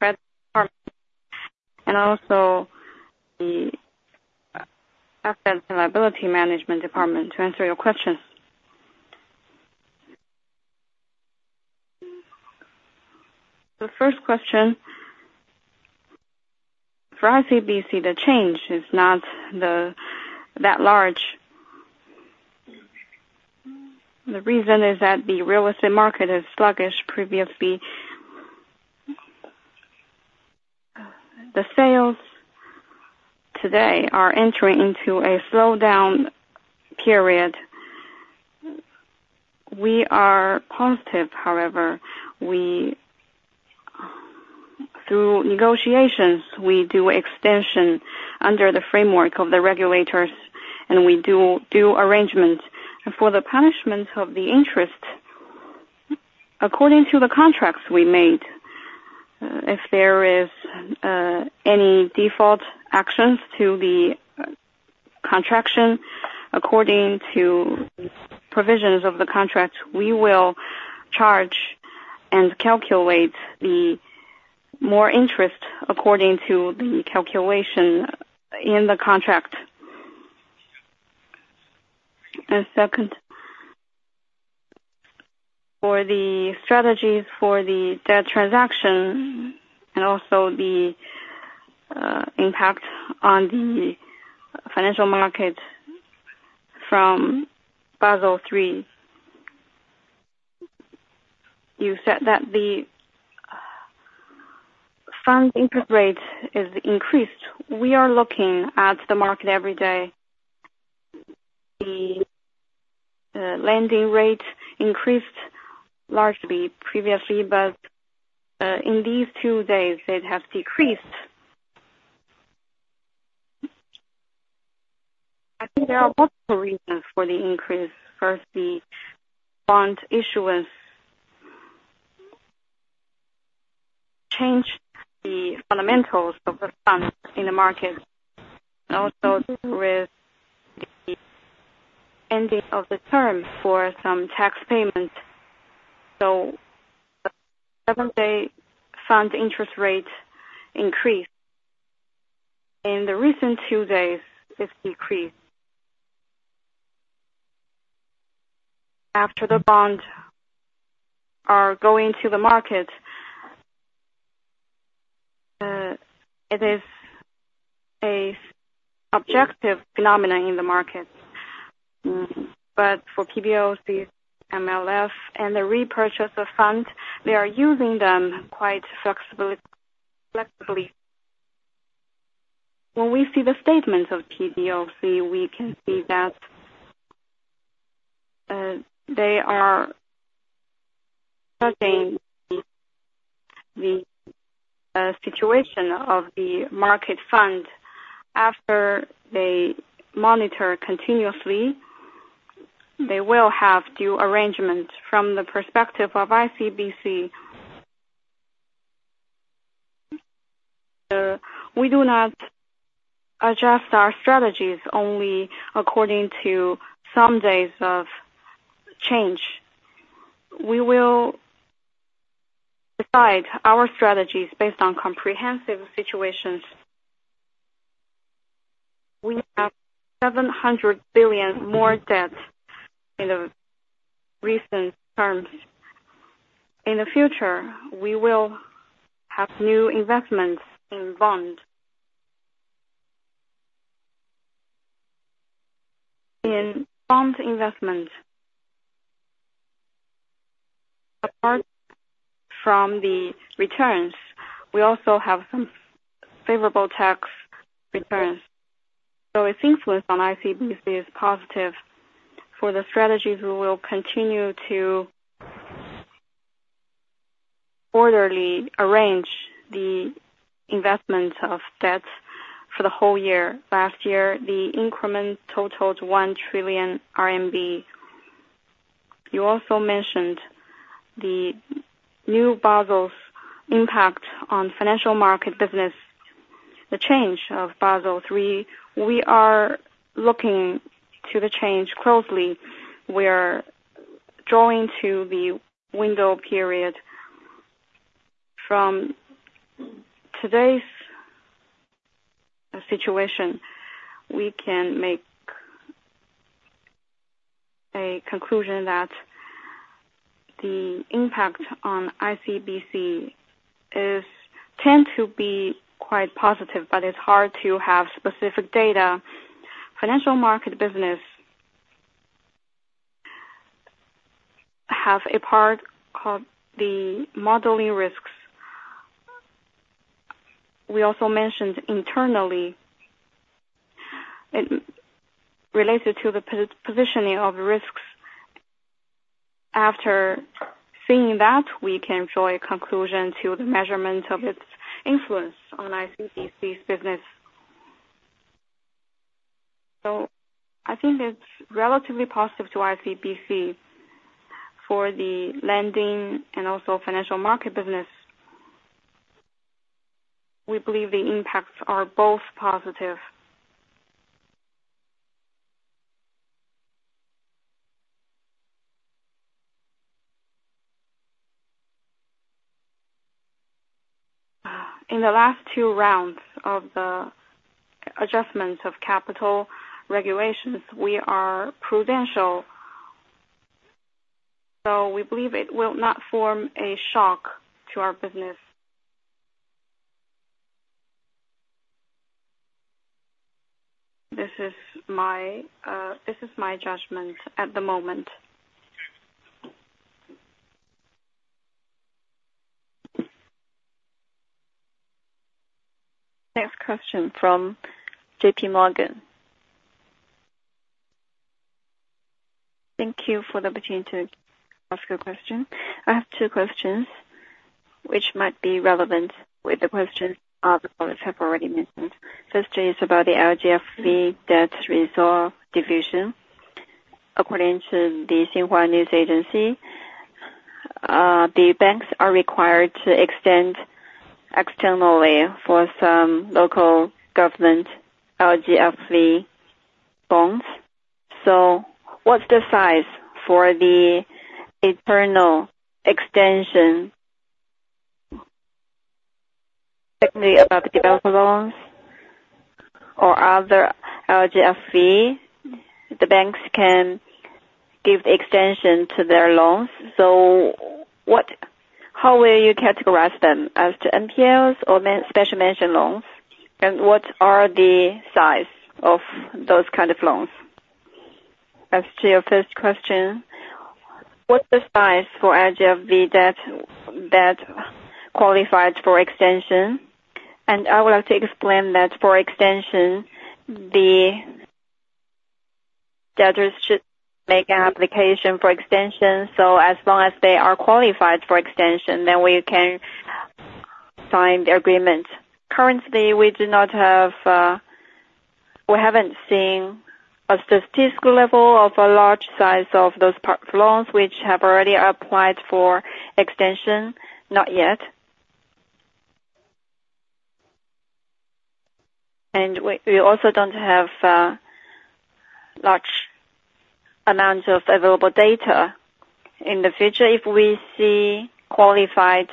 risk department and also the asset and liability management department to answer your question. The first question, for ICBC, the change is not that large. The reason is that the real estate market is sluggish previously. The sales today are entering into a slowdown period. We are positive, however. Through negotiations, we do extension under the framework of the regulators, and we do arrangements. For the punishment of the interest, according to the contracts we made, if there is any default actions to the contract according to provisions of the contract, we will charge and calculate more interest according to the calculation in the contract. Second, for the strategies for the debt transaction and also the impact on the financial market from Basel III, you said that the fund interest rate is increased. We are looking at the market every day. The lending rate increased largely previously, but in these two days, it has decreased. I think there are multiple reasons for the increase. First, the bond issuance changed the fundamentals of the fund in the market, and also with the ending of the term for some tax payments. So seven-day fund interest rate increased. In the recent two days, it's decreased. After the bonds are going to the market, it is an objective phenomenon in the market. But for PBOC, MLF, and the repurchase of funds, they are using them quite flexibly. When we see the statements of PBOC, we can see that they are studying the situation of the market fund. After they monitor continuously, they will have due arrangements. From the perspective of ICBC. We do not adjust our strategies only according to some days of change. We will decide our strategies based on comprehensive situations. We have 700 billion more debt in the recent terms. In the future, we will have new investments in bond. In bond investment, apart from the returns, we also have some favorable tax returns, so its influence on ICBC is positive. For the strategies, we will continue to orderly arrange the investment of debts for the whole year. Last year, the increment totaled 1 trillion RMB. You also mentioned the new Basel III's impact on financial market business, the change of Basel III. We are looking to the change closely. We're drawing to the window period. From today's situation, we can make a conclusion that the impact on ICBC is, tend to be quite positive, but it's hard to have specific data. Financial market business have a part of the modeling risks. We also mentioned internally, it related to the repositioning of risks. After seeing that, we can draw a conclusion to the measurement of its influence on ICBC's business. So I think it's relatively positive to ICBC for the lending and also financial market business. We believe the impacts are both positive. In the last two rounds of the adjustment of capital regulations, we are prudential, so we believe it will not form a shock to our business. This is my, this is my judgment at the moment. Next question from J.P. Morgan. Thank you for the opportunity to ask a question. I have two questions which might be relevant with the questions other colleagues have already mentioned. First is about the LGFV debt resolution. According to the Xinhua News Agency, the banks are required to extend externally for some local government LGFV bonds. So what's the size for the external extension? Secondly, about developer loans or other LGFV, the banks can give extension to their loans. So how will you categorize them, as to NPLs or special mention loans? And what are the size of those kind of loans? As to your first question, what's the size for LGFV debt that qualifies for extension? And I would like to explain that for extension, the debtors should make an application for extension, so as long as they are qualified for extension, then we can sign the agreement. Currently, we do not have, we haven't seen a statistical level of a large size of those loans which have already applied for extension, not yet. We also don't have large amounts of available data. In the future, if we see qualified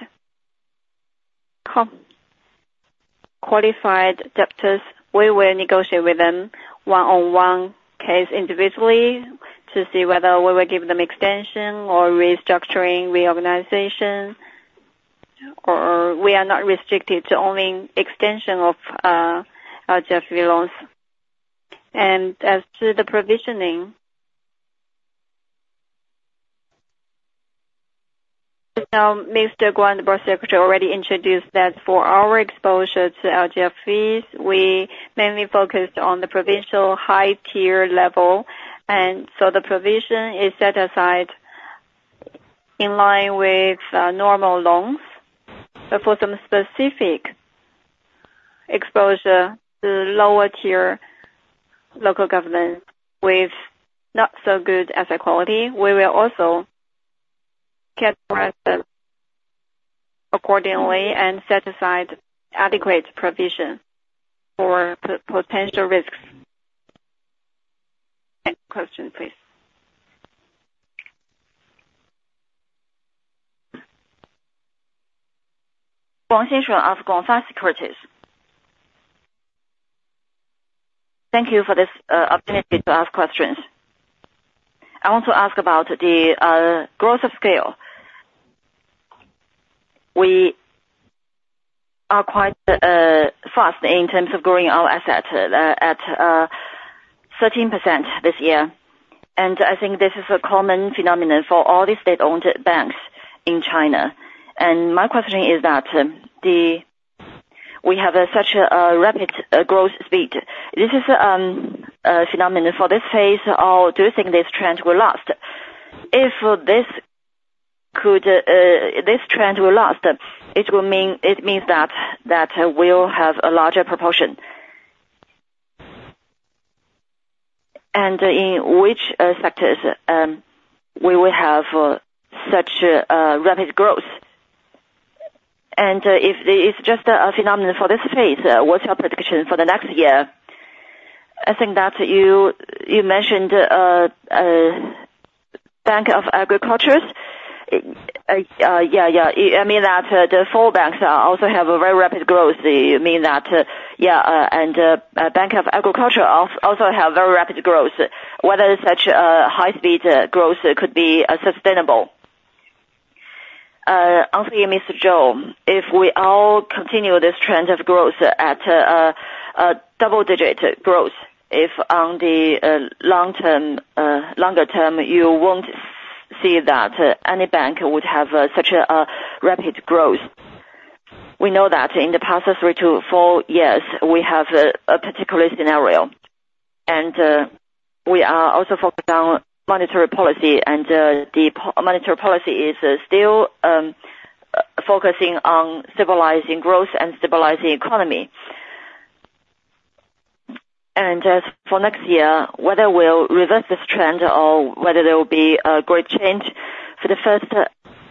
debtors, we will negotiate with them one-on-one case individually to see whether we will give them extension or restructuring, reorganization, or we are not restricted to only extension of LGFV loans. As to the provisioning, Mr. Guan, the board secretary, already introduced that for our exposure to LGFVs, we mainly focused on the provincial high tier level, and so the provision is set aside in line with normal loans. But for some specific exposure, the lower tier local government with not so good asset quality, we will also accordingly and set aside adequate provision for potential risks. Next question, please. Wang Xinshu of Guangfa Securities. Thank you for this opportunity to ask questions. I want to ask about the growth of scale. We are quite fast in terms of growing our assets at 13% this year, and I think this is a common phenomenon for all the state-owned banks in China. And my question is that we have such a rapid growth speed. This is a phenomenon for this phase, or do you think this trend will last? If this trend will last, it will mean it means that we'll have a larger proportion. And in which sectors we will have such rapid growth? If it's just a phenomenon for this phase, what's your prediction for the next year? I think that you mentioned Agricultural Bank. Yeah, yeah. I mean that the four banks also have a very rapid growth. You mean that Yeah, and Bank of Agriculture also have very rapid growth. Whether such a high speed growth could be sustainable. To answer you, Mr. Zhou, if we all continue this trend of growth at a double digit growth, if on the long term, longer term, you won't see that any bank would have such a rapid growth. We know that in the past three to four years, we have a particular scenario, and we are also focused on monetary policy, and the monetary policy is still focusing on stabilizing growth and stabilizing economy. And as for next year, whether we'll reverse this trend or whether there will be a great change, for the first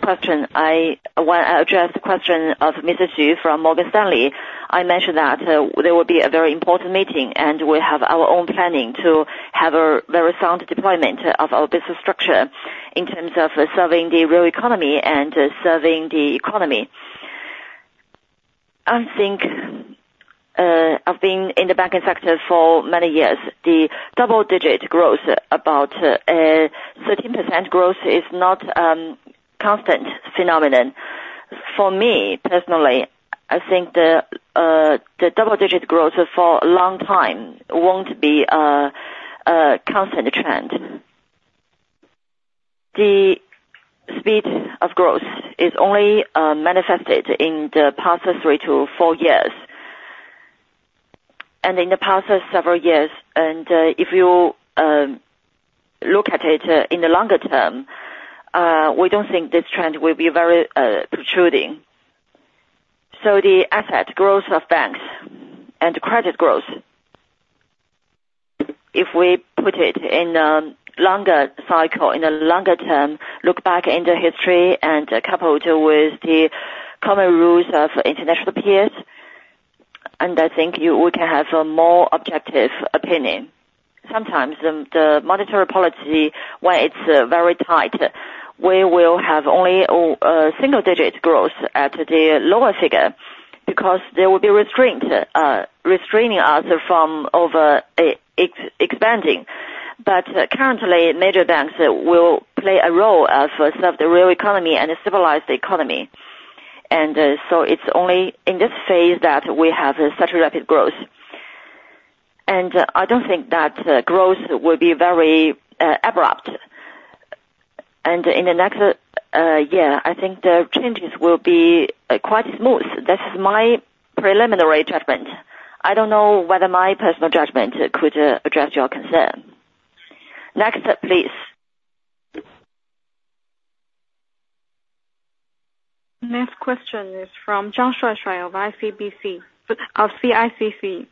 question, I, when I addressed the question of Mr. Xu from Morgan Stanley, I mentioned that there will be a very important meeting, and we have our own planning to have a very sound deployment of our business structure in terms of serving the real economy and serving the economy. I think, I've been in the banking sector for many years. The double-digit growth, about 13% growth, is not constant phenomenon. For me, personally, I think the double digit growth for a long time won't be a constant trend. The speed of growth is only manifested in the past 3-4 years. In the past several years, if you look at it in the longer term, we don't think this trend will be very protruding. The asset growth of banks and credit growth, if we put it in a longer cycle, in a longer term, look back in the history and coupled with the common rules of international peers, I think we can have a more objective opinion. Sometimes the monetary policy, when it's very tight, we will have only a single digit growth at the lower figure because there will be restraint, restraining us from over expanding. But currently, major banks will play a role as to serve the real economy and stabilize the economy. So it's only in this phase that we have such rapid growth. And I don't think that growth will be very abrupt. And in the next, I think the changes will be quite smooth. That is my preliminary judgment. I don't know whether my personal judgment could address your concern. Next, please. Next question is from Zhang Shuaishuai of CICC.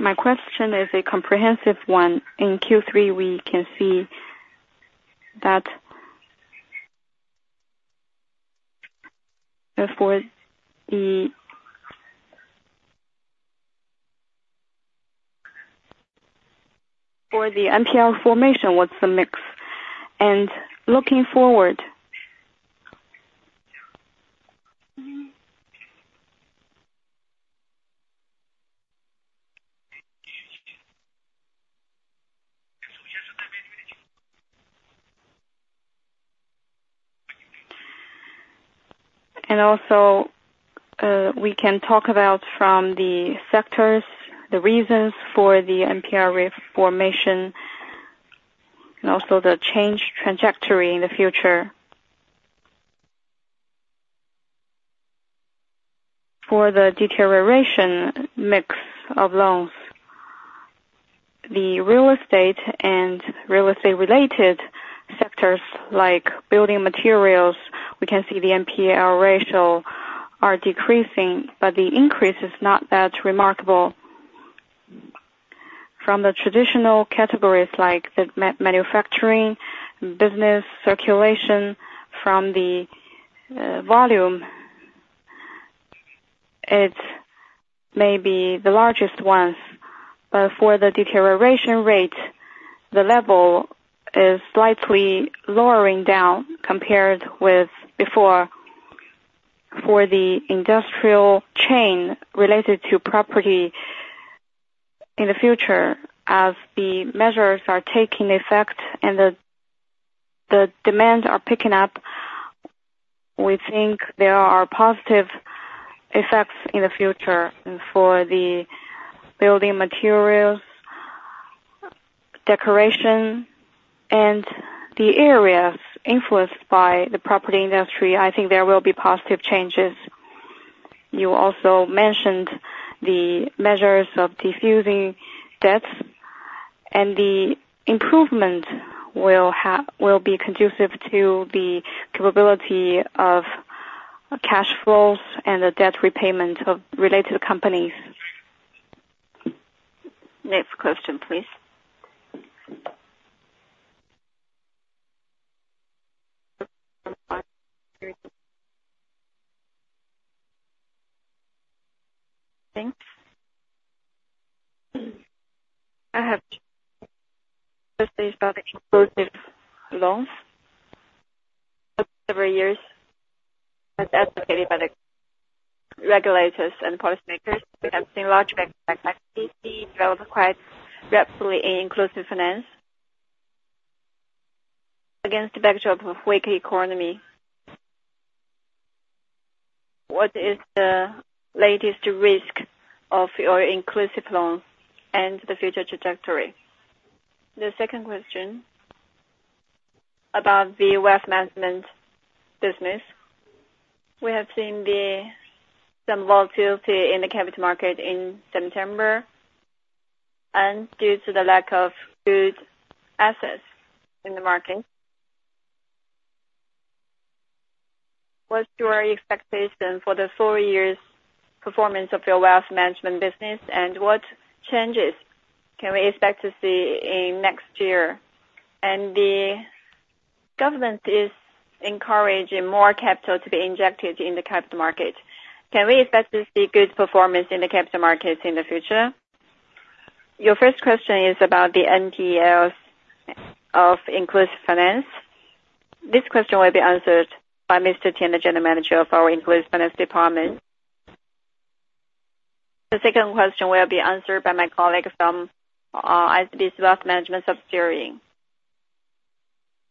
My question is a comprehensive one. In Q3, we can see that for the NPL formation, what's the mix? And looking forward. And also, we can talk about from the sectors, the reasons for the NPL reformation and also the change trajectory in the future. For the deterioration mix of loans, the real estate and real estate-related sectors, like building materials, we can see the NPL ratio are decreasing, but the increase is not that remarkable. From the traditional categories like the manufacturing, business circulation from the volume, it's maybe the largest ones, but for the deterioration rate, the level is slightly lowering down compared with before. For the industrial chain related to property, in the future, as the measures are taking effect and the demands are picking up, we think there are positive effects in the future for the building materials, decoration, and the areas influenced by the property industry, I think there will be positive changes. You also mentioned the measures of defusing debts, and the improvement will be conducive to the capability of cash flows and the debt repayment of related companies. Next question, please. Thanks. I have two questions about the inclusive loans. For several years, as advocated by the regulators and policymakers, we have seen large banks like ICBC develop quite rapidly in inclusive finance. Against the backdrop of weak economy, what is the latest risk of your inclusive loan and the future trajectory? The second question, about the wealth management business. We have seen some volatility in the capital market in September, and due to the lack of good assets in the market. What's your expectation for the full year's performance of your wealth management business, and what changes can we expect to see in next year? And the government is encouraging more capital to be injected in the capital market. Can we expect to see good performance in the capital markets in the future? Your first question is about the NPLs of inclusive finance. This question will be answered by Mr. Tian, the General Manager of our Inclusive Finance Department. The second question will be answered by my colleague from ICBC Wealth Management subsidiary.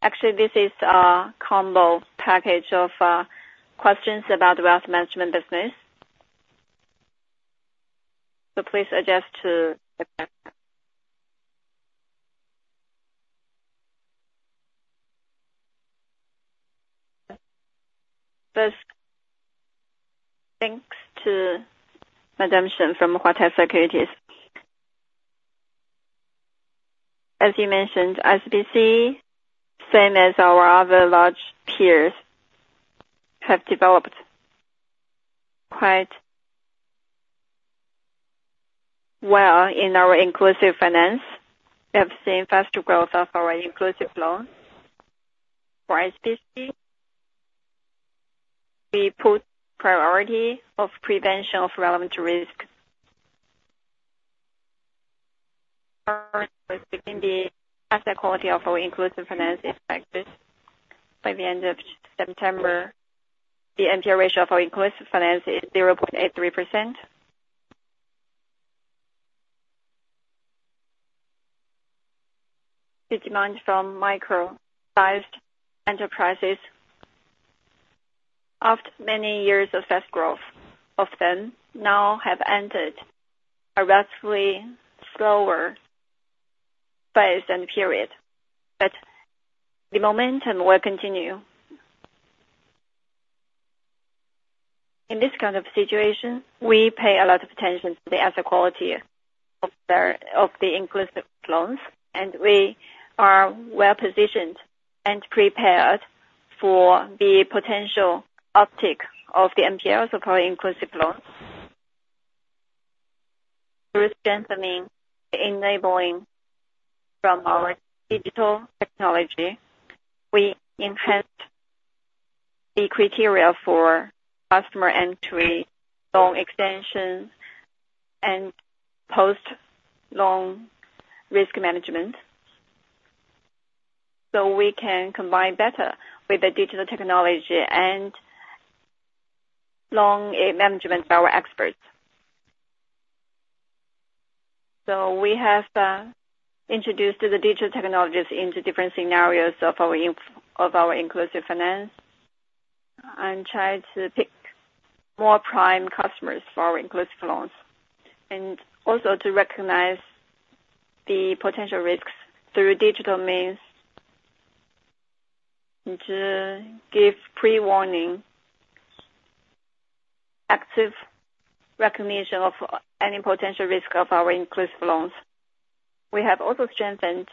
Actually, this is a combo package of questions about the wealth management business. First, thanks to Madam Shen from Huatai Securities. As you mentioned, ICBC, same as our other large peers, have developed quite well in our inclusive finance. We have seen faster growth of our inclusive loans. For ICBC, we put priority of prevention of relevant risk in the asset quality of our inclusive finance practices. By the end of September, the NPL ratio of our inclusive finance is 0.83%. The demand from micro-sized enterprises, after many years of fast growth of them, now have entered a relatively slower phase and period, but the momentum will continue. In this kind of situation, we pay a lot of attention to the asset quality of the inclusive loans, and we are well positioned and prepared for the potential uptick of the NPLs of our inclusive loans. Through strengthening enabling from our digital technology, we enhanced the criteria for customer entry, loan extensions, and post-loan risk management. So we can combine better with the digital technology and loan management by our experts. So we have introduced the digital technologies into different scenarios of our inclusive finance, and try to pick more prime customers for our inclusive loans, and also to recognize the potential risks through digital means to give pre-warning, active recognition of any potential risk of our increased loans. We have also strengthened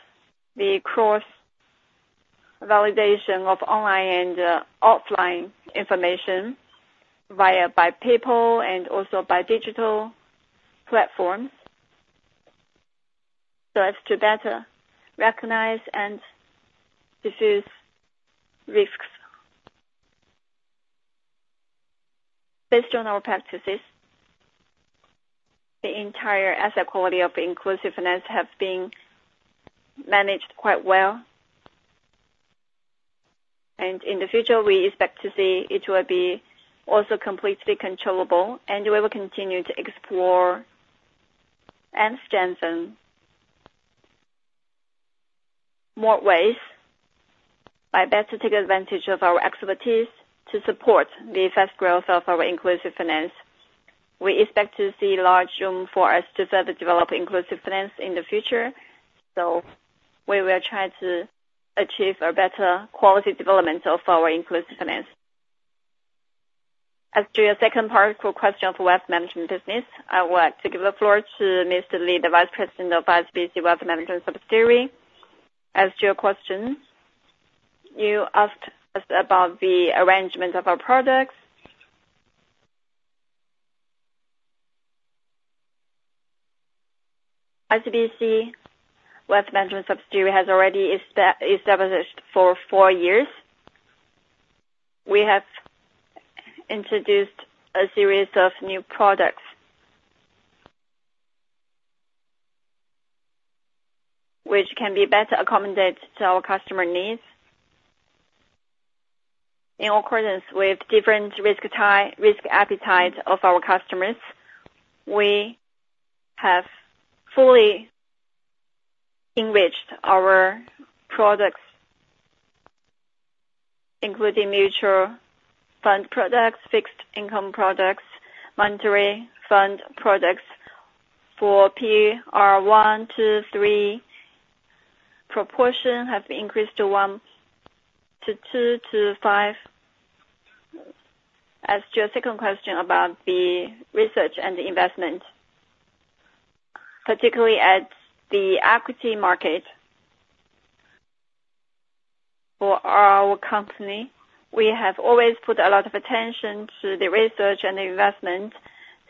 the cross-validation of online and offline information via by people and also by digital platforms, so as to better recognize and diffuse risks. Based on our practices, the entire asset quality of inclusive finance have been managed quite well. In the future, we expect to see it will be also completely controllable, and we will continue to explore and strengthen more ways by best to take advantage of our expertise to support the fast growth of our inclusive finance. We expect to see large room for us to further develop inclusive finance in the future, so we will try to achieve a better quality development of our inclusive finance. As to your second part, core question of wealth management business, I would like to give the floor to Mr. Li, the Vice President of ICBC Wealth Management subsidiary. As to your question, you asked us about the arrangement of our products. ICBC Wealth Management subsidiary has already established for 4 years. We have introduced a series of new products which can be better accommodated to our customer needs. In accordance with different risk appetite of our customers, we have fully enriched our products, including mutual fund products, fixed income products, monetary fund products for PR1, PR2, PR3. Proportion have increased to 1 to 2 to 5. As to your second question about the research and the investment, particularly at the equity market. For our company, we have always put a lot of attention to the research and the investment,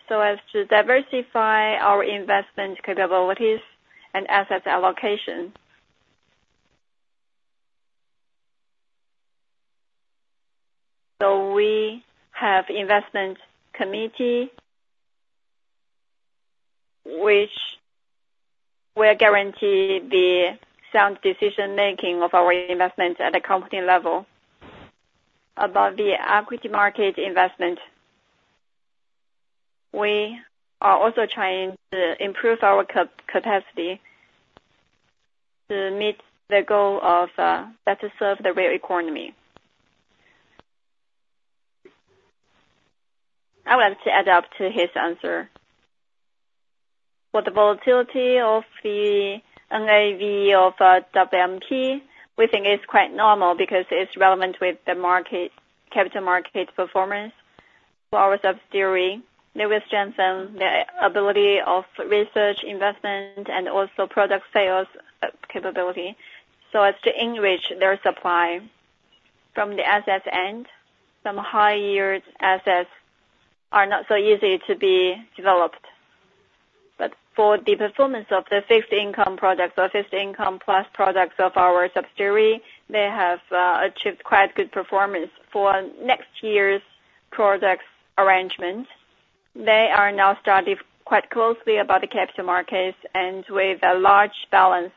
so as to diversify our investment capabilities and assets allocation. So we have investment committee, which will guarantee the sound decision making of our investment at a company level. About the equity market investment, we are also trying to improve our capacity to meet the goal of better serve the real economy. I want to add up to his answer. With the volatility of the NAV of WMP, we think it's quite normal because it's relevant with the market, capital market performance. For our subsidiary, they will strengthen the ability of research, investment, and also product sales capability, so as to enrich their supply from the assets end. Some high-yield assets are not so easy to be developed. But for the performance of the fixed income products or fixed income plus products of our subsidiary, they have achieved quite good performance. For next year's products arrangements, they are now studying quite closely about the capital markets, and with a large balance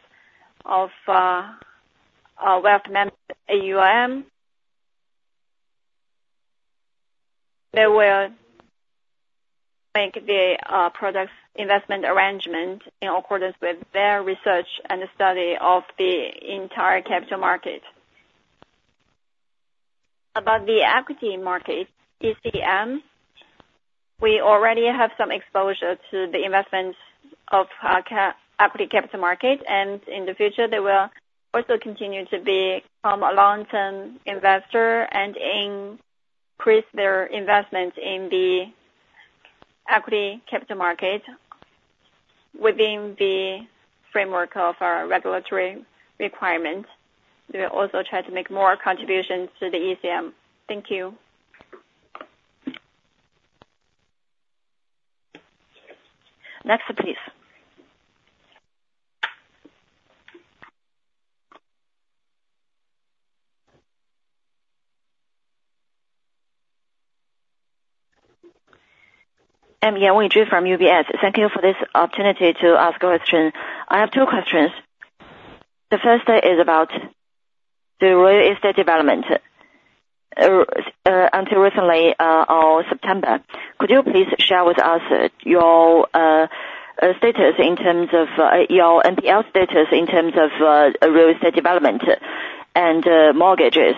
of wealth management, AUM. They will make the products investment arrangement in accordance with their research and study of the entire capital market. About the equity market, ECM, we already have some exposure to the investments of equity capital market, and in the future, they will also continue to be a long-term investor and increase their investment in the equity capital market. Within the framework of our regulatory requirements, we will also try to make more contributions to the ECM. Thank you. Next, please. I'm Yan Wenjie from UBS. Thank you for this opportunity to ask a question. I have two questions. The first is about the real estate development. Until recently, on September, could you please share with us your status in terms of your NPL status, in terms of real estate development and mortgages?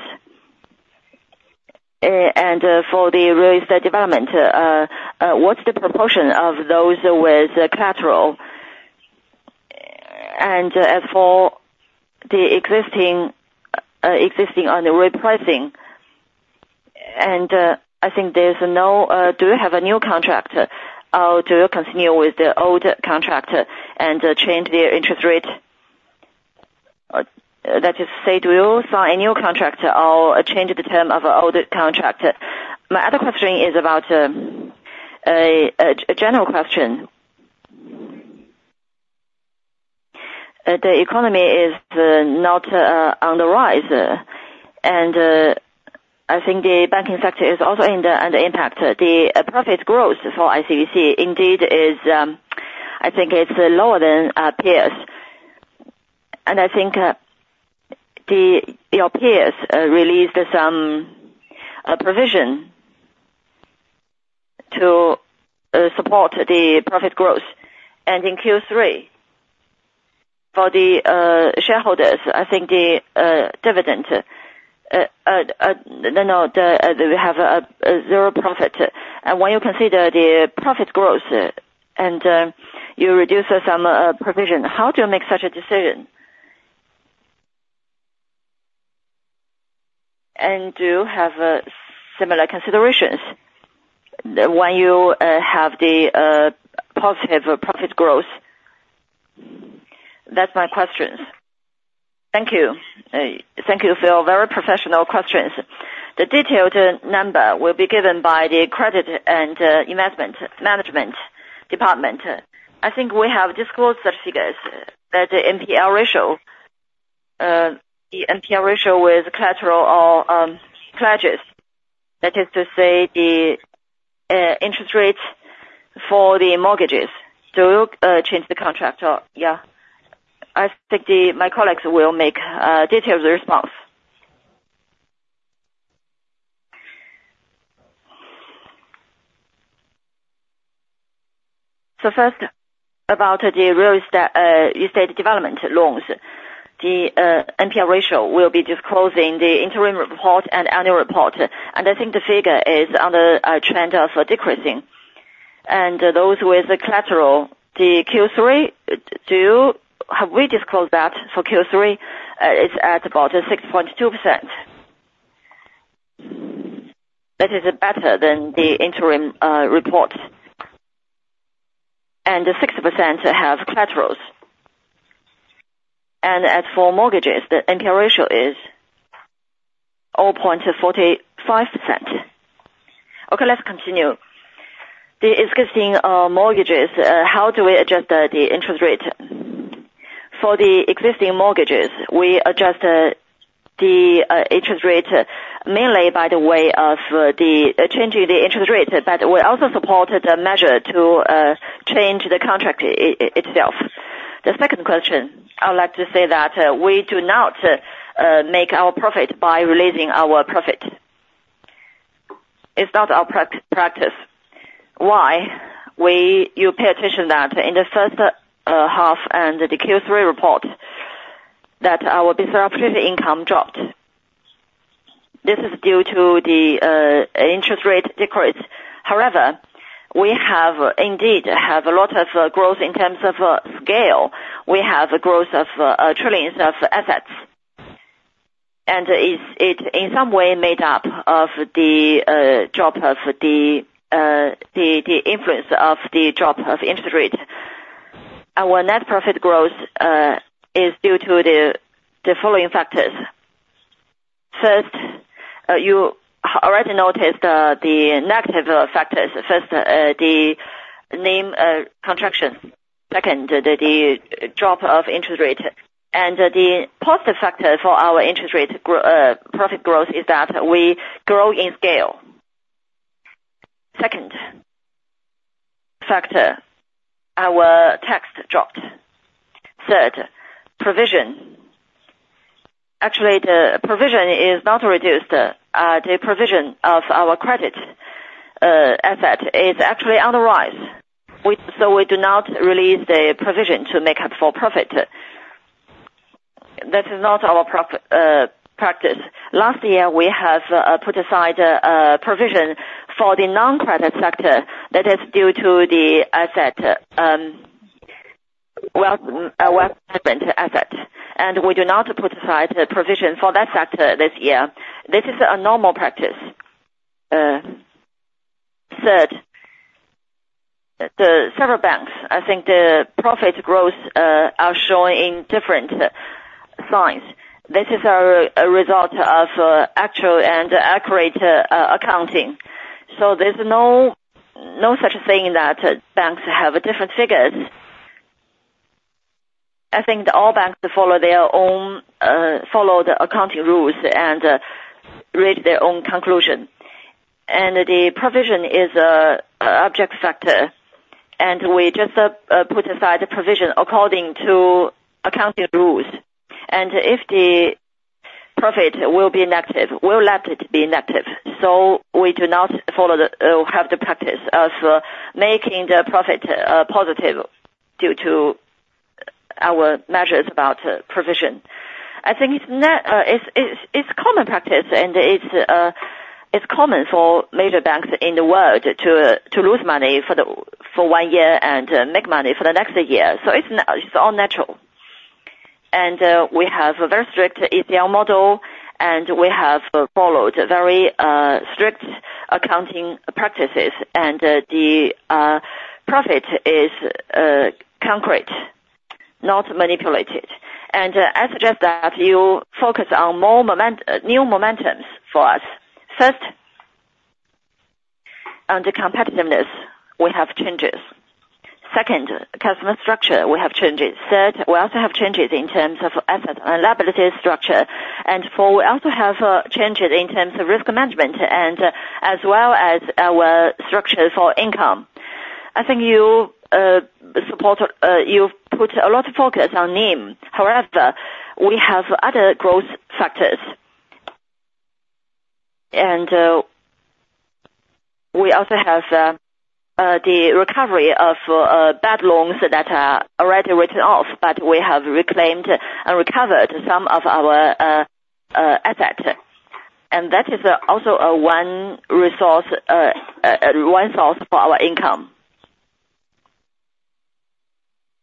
And for the real estate development, what's the proportion of those with collateral? And as for the existing on the repricing, and I think there's no, do you have a new contract? Or do you continue with the old contract and change the interest rate? That is, say, do you sign a new contract or change the term of older contract? My other question is about a general question. The economy is not on the rise, and I think the banking sector is also under impact. The profit growth for ICBC indeed is, I think it's lower than our peers. And I think your peers released some provision to support the profit growth. And in Q3, for the shareholders, I think the dividend, you know, we have a zero profit. And when you consider the profit growth and you reduce some provision, how do you make such a decision? And do you have similar considerations when you have the positive profit growth? That's my questions. Thank you. Thank you for your very professional questions. The detailed number will be given by the credit and investment management department. I think we have disclosed such figures that the NPL ratio, the NPL ratio with collateral or pledges. That is to say the interest rates for the mortgages. Do you change the contract or yeah, I think my colleagues will make a detailed response. First, about the real estate development loans, the NPL ratio will be disclosing the interim report and annual report. I think the figure is on a trend of decreasing. Those with the collateral, Q3, do you-- have we disclosed that for Q3? It's at about 6.2%. That is better than the interim report. The 6% have collaterals. As for mortgages, the NPL ratio is 0.45%. Okay, let's continue. The existing mortgages, how do we adjust the interest rate? For the existing mortgages, we adjust the interest rate, mainly by the way of changing the interest rate, but we also supported a measure to change the contract itself. The second question, I would like to say that, we do not make our profit by releasing our profit. It's not our practice. Why? You pay attention that in the first half and the Q3 report, that our disruptive income dropped. This is due to the interest rate decrease. However, we have indeed a lot of growth in terms of scale. We have a growth of trillions of assets, and it in some way made up of the drop of the influence of the drop of interest rate. Our net profit growth is due to the following factors. First, you already noticed the negative factors. First, the NIM contraction. Second, the drop of interest rate. And the positive factor for our interest rate grow, profit growth is that we grow in scale. Second factor, our tax dropped. Third, provision. Actually, the provision is not reduced. The provision of our credit asset is actually on the rise. We, so we do not release the provision to make up for profit. That is not our practice. Last year, we have put aside a provision for the non-credit sector that is due to the asset, different asset. And we do not put aside a provision for that sector this year. This is a normal practice. Third, the several banks, I think the profit growth are showing different signs. This is a result of actual and accurate accounting. So there's no such thing that banks have different figures. I think all banks follow their own follow the accounting rules and reach their own conclusion. And the provision is a object factor, and we just put aside a provision according to accounting rules. And if the profit will be negative, we'll let it be negative. So we do not follow the have the practice of making the profit positive due to our measures about provision. I think it's not it's common practice, and it's common for major banks in the world to lose money for one year and make money for the next year. So it's all natural. And we have a very strict ECL model, and we have followed very strict accounting practices, and the profit is concrete, not manipulated. And I suggest that you focus on more momentum, new momentums for us. First, on the competitiveness, we have changes. Second, customer structure, we have changes. Third, we also have changes in terms of asset and liability structure. And four, we also have changes in terms of risk management as well as our structure for income. I think you support, you've put a lot of focus on NIM. However, we have other growth factors. And we also have the recovery of bad loans that are already written off, but we have reclaimed and recovered some of our asset. That is also one resource, one source for our income.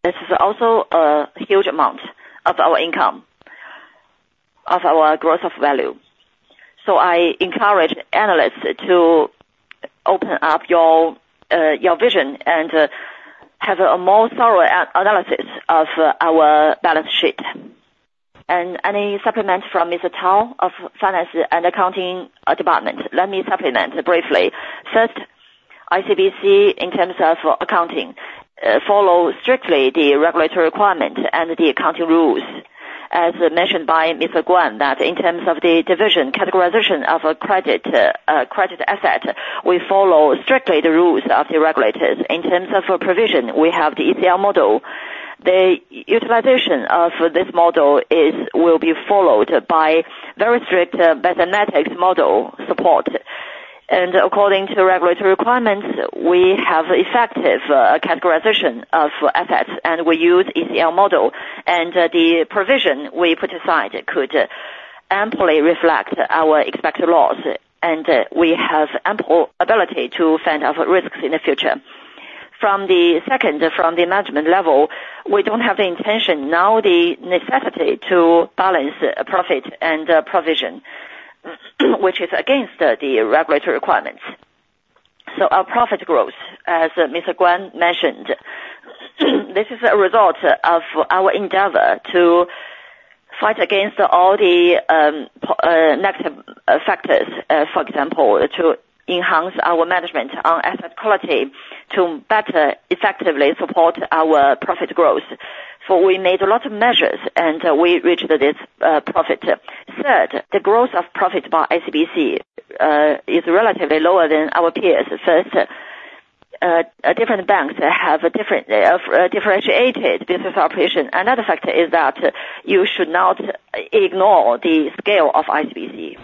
This is also a huge amount of our income, of our growth of value. So I encourage analysts to open up your vision and have a more thorough analysis of our balance sheet. Any supplement from Mr. Tao of Finance and Accounting Department? Let me supplement briefly. First, ICBC, in terms of accounting, follow strictly the regulatory requirement and the accounting rules. As mentioned by Mr. Guan, that in terms of the division, categorization of a credit, credit asset, we follow strictly the rules of the regulators. In terms of a provision, we have the ECL model. The utilization of this model will be followed by very strict mathematics model support. According to the regulatory requirements, we have effective categorization of assets, and we use ECL Model. The provision we put aside could amply reflect our expected loss, and we have ample ability to fend off risks in the future. From the management level, we don't have the intention, now the necessity to balance profit and provision, which is against the regulatory requirements. Our profit growth, as Mr. Guan mentioned, this is a result of our endeavor to fight against all the negative factors, for example, to enhance our management on asset quality, to better effectively support our profit growth. For we made a lot of measures, and we reached this profit. Third, the growth of profit by ICBC is relatively lower than our peers. First, different banks have a different, differentiated business operation. Another factor is that you should not ignore the scale of ICBC.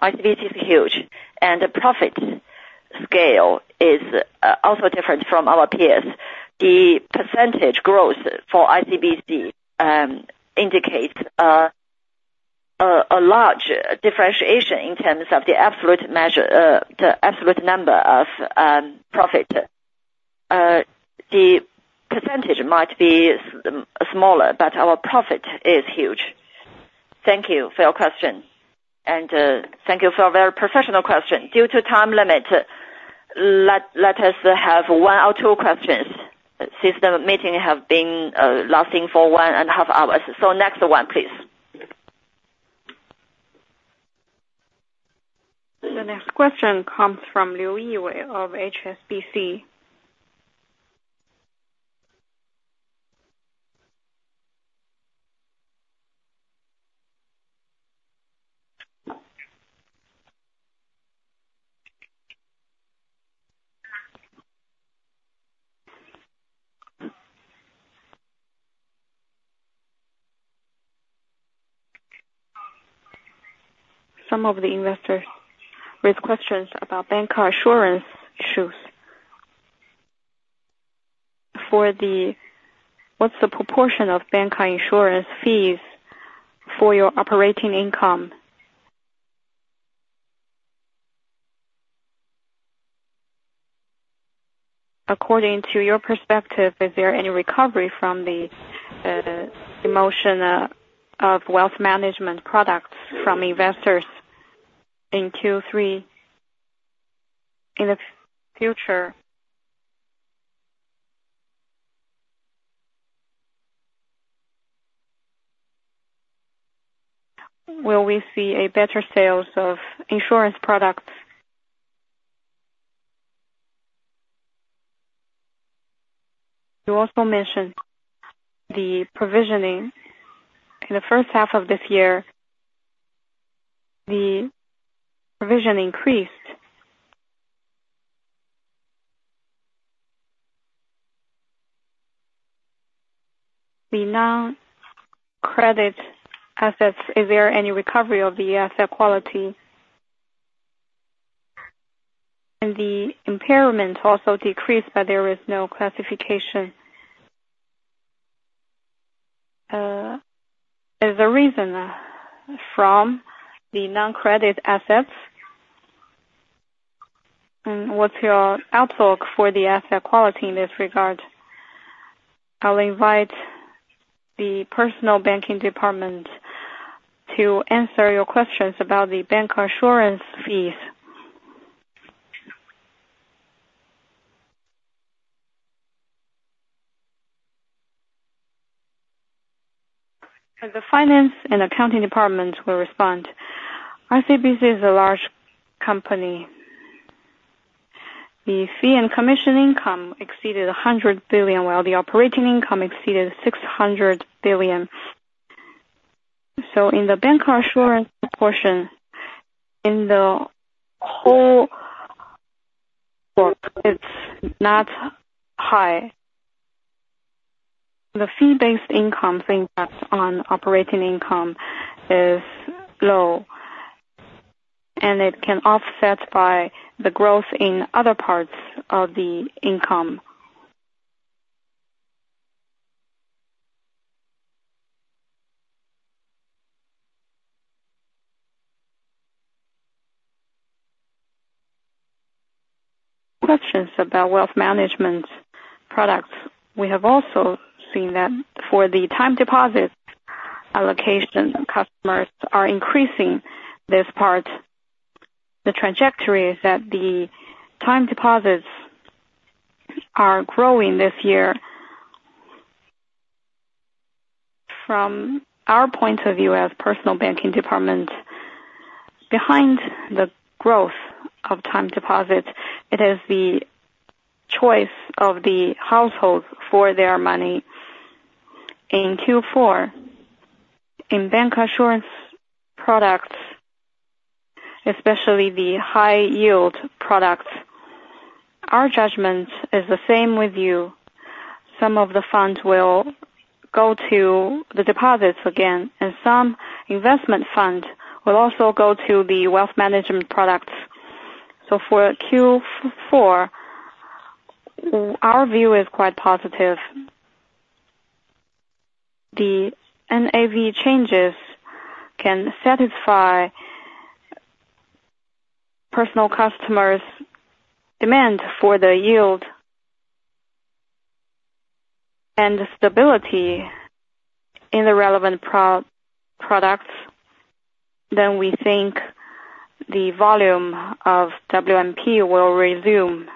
ICBC is huge, and the profit scale is also different from our peers. The percentage growth for ICBC indicates a large differentiation in terms of the absolute measure, the absolute number of profit. The percentage might be smaller, but our profit is huge. Thank you for your question, and thank you for a very professional question. Due to time limit, let us have one or two questions, since the meeting have been lasting for one and a half hours. So next one, please. The next question comes from Liu Yiwei of HSBC. Some of the investors raised questions about bancassurance issues. For the, what's the proportion of bancassurance fees for your operating income? According to your perspective, is there any recovery from the demotion of wealth management products from investors in Q3? In the future, will we see a better sales of insurance products? You also mentioned the provisioning. In the first half of this year, the provision increased. The non-credit assets, is there any recovery of the asset quality? And the impairment also decreased, but there is no classification. Is the reason from the non-credit assets? And what's your outlook for the asset quality in this regard? I'll invite the personal banking department to answer your questions about the bancassurance fees. The finance and accounting department will respond. ICBC is a large company. The fee and commission income exceeded 100 billion, while the operating income exceeded 600 billion. So in the bancassurance portion, in the whole, well, it's not high. The fee-based income's impact on operating income is low, and it can offset by the growth in other parts of the income. Questions about wealth management products. We have also seen that for the time deposits allocation, customers are increasing this part. The trajectory is that the time deposits are growing this year. From our point of view, as personal banking department, behind the growth of time deposits, it is the choice of the households for their money. In Q4, in bancassurance products, especially the high yield products, our judgment is the same with you. Some of the funds will go to the deposits again, and some investment fund will also go to the wealth management products. So for Q4, our view is quite positive. The NAV changes can satisfy personal customers' demand for the yield and stability in the relevant proper products, then we think the volume of WMP will resume.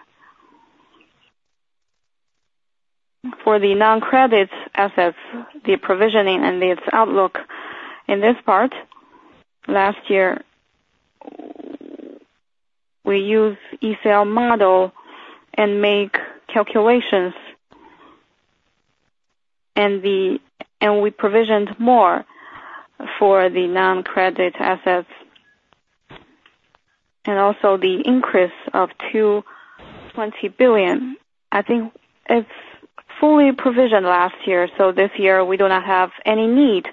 For the non-credit assets, the provisioning and its outlook in this part, last year, we use ECL model and make calculations. And we provisioned more for the non-credit assets. And also the increase of 220 billion, I think it's fully provisioned last year, so this year we do not have any need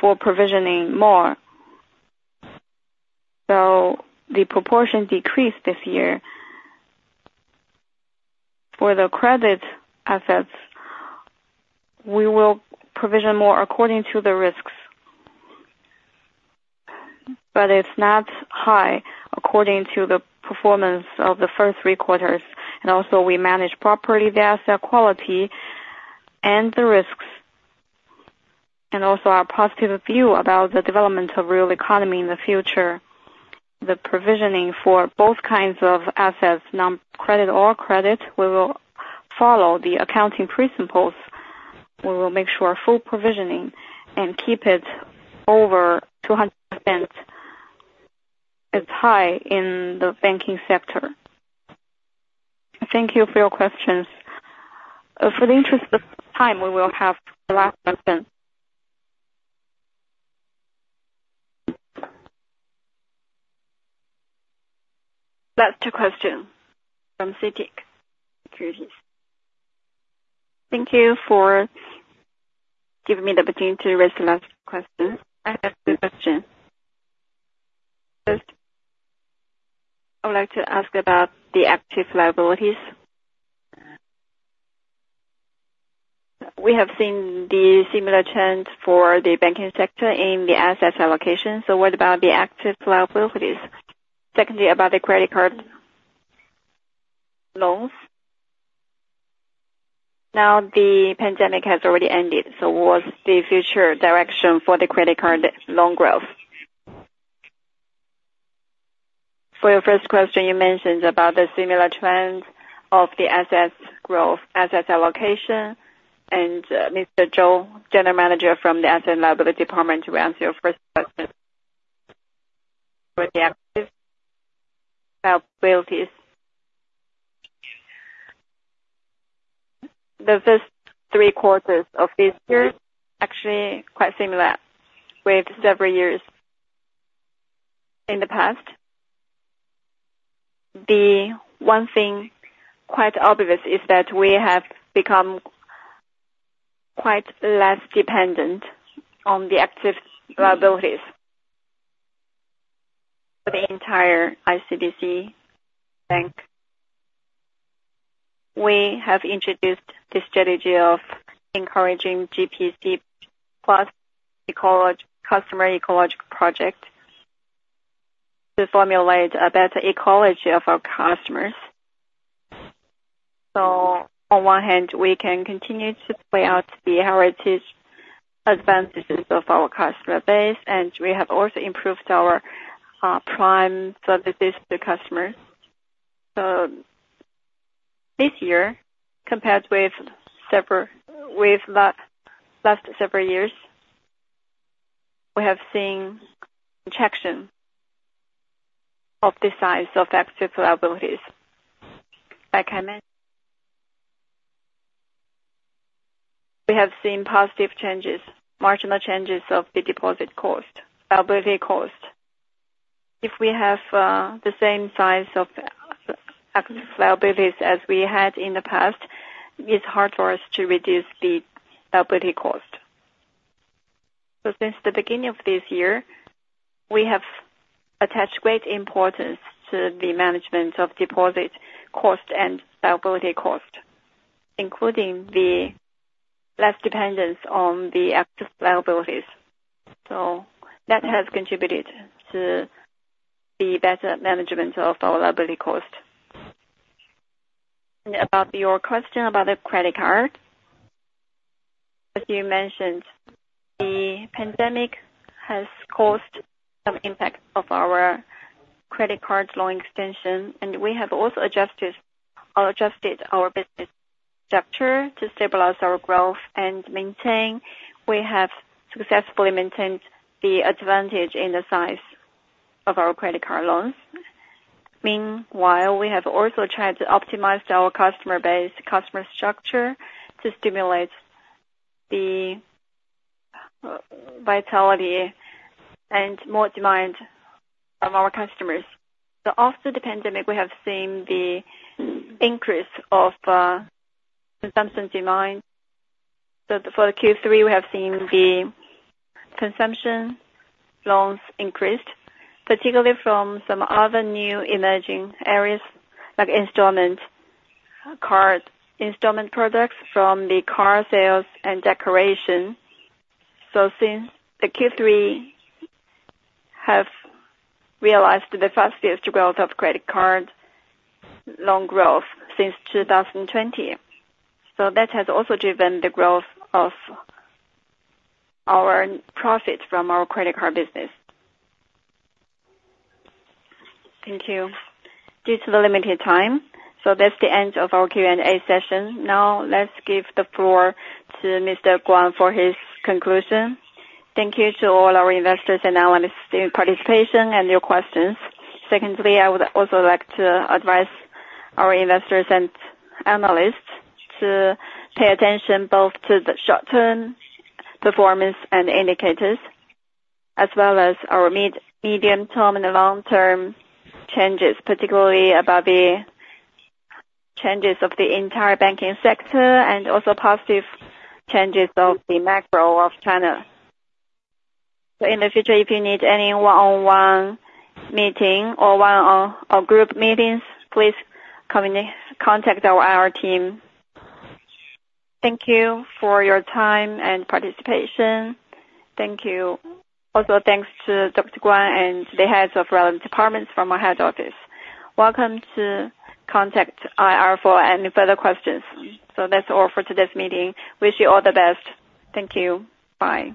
for provisioning more. So the proportion decreased this year. For the credit assets, we will provision more according to the risks, but it's not high according to the performance of the first three quarters. And also we manage properly the asset quality and the risks, and also our positive view about the development of real economy in the future. The provisioning for both kinds of assets, non-credit or credit, we will follow the accounting principles. We will make sure full provisioning and keep it over 200% is high in the banking sector. Thank you for your questions. For the interest of time, we will have the last question. Last question from CITIC Securities. Thank you for giving me the opportunity to ask the last question. I have two questions. First, I would like to ask about the active liabilities. We have seen the similar trends for the banking sector in the assets allocation, so what about the active liabilities? Secondly, about the credit card loans. Now, the pandemic has already ended, so what's the future direction for the credit card loan growth? For your first question, you mentioned about the similar trends of the assets growth, assets allocation, and Mr. Zhou, General Manager from the Asset and Liability Management Department, will answer your first question for the active liabilities. The first three quarters of this year, actually quite similar with several years in the past. The one thing quite obvious is that we have become quite less dependent on the active liabilities. For the entire ICBC bank, we have introduced the strategy of encouraging GBC+ customer ecological project, to formulate a better ecology of our customers. So on one hand, we can continue to play out the heritage advantages of our customer base, and we have also improved our prime service to customers. So this year, compared with last several years, we have seen reduction of the size of active liabilities. By coming. We have seen positive changes, marginal changes of the deposit cost, liability cost. If we have the same size of active liabilities as we had in the past, it's hard for us to reduce the liability cost. So since the beginning of this year, we have attached great importance to the management of deposit cost and liability cost, including the less dependence on the active liabilities. So that has contributed to the better management of our liability cost. And about your question about the credit card, as you mentioned, the pandemic has caused some impact of our credit card loan extension, and we have also adjusted our business structure to stabilize our growth and maintain. We have successfully maintained the advantage in the size of our credit card loans. Meanwhile, we have also tried to optimize our customer base, customer structure, to stimulate the vitality and more demand of our customers. So after the pandemic, we have seen the increase of consumption demand. For the Q3, we have seen the consumption loans increased, particularly from some other new emerging areas, like installment, card installment products from the car sales and decoration. Since the Q3 have realized the fastest growth of credit card loan growth since 2020. That has also driven the growth of our profit from our credit card business. Thank you. Due to the limited time, so that's the end of our Q&A session. Now, let's give the floor to Mr. Guan for his conclusion. Thank you to all our investors and analysts in participation and your questions. Secondly, I would also like to advise our investors and analysts to pay attention both to the short-term performance and indicators, as well as our mid- and medium-term and the long-term changes, particularly about the changes of the entire banking sector, and also positive changes of the macro of China. So in the future, if you need any one-on-one meeting or one-on-one or group meetings, please contact our IR team. Thank you for your time and participation. Thank you. Also, thanks to Dr. Guan and the heads of relevant departments from our head office. Welcome to contact IR for any further questions. So that's all for today's meeting. Wish you all the best. Thank you. Bye.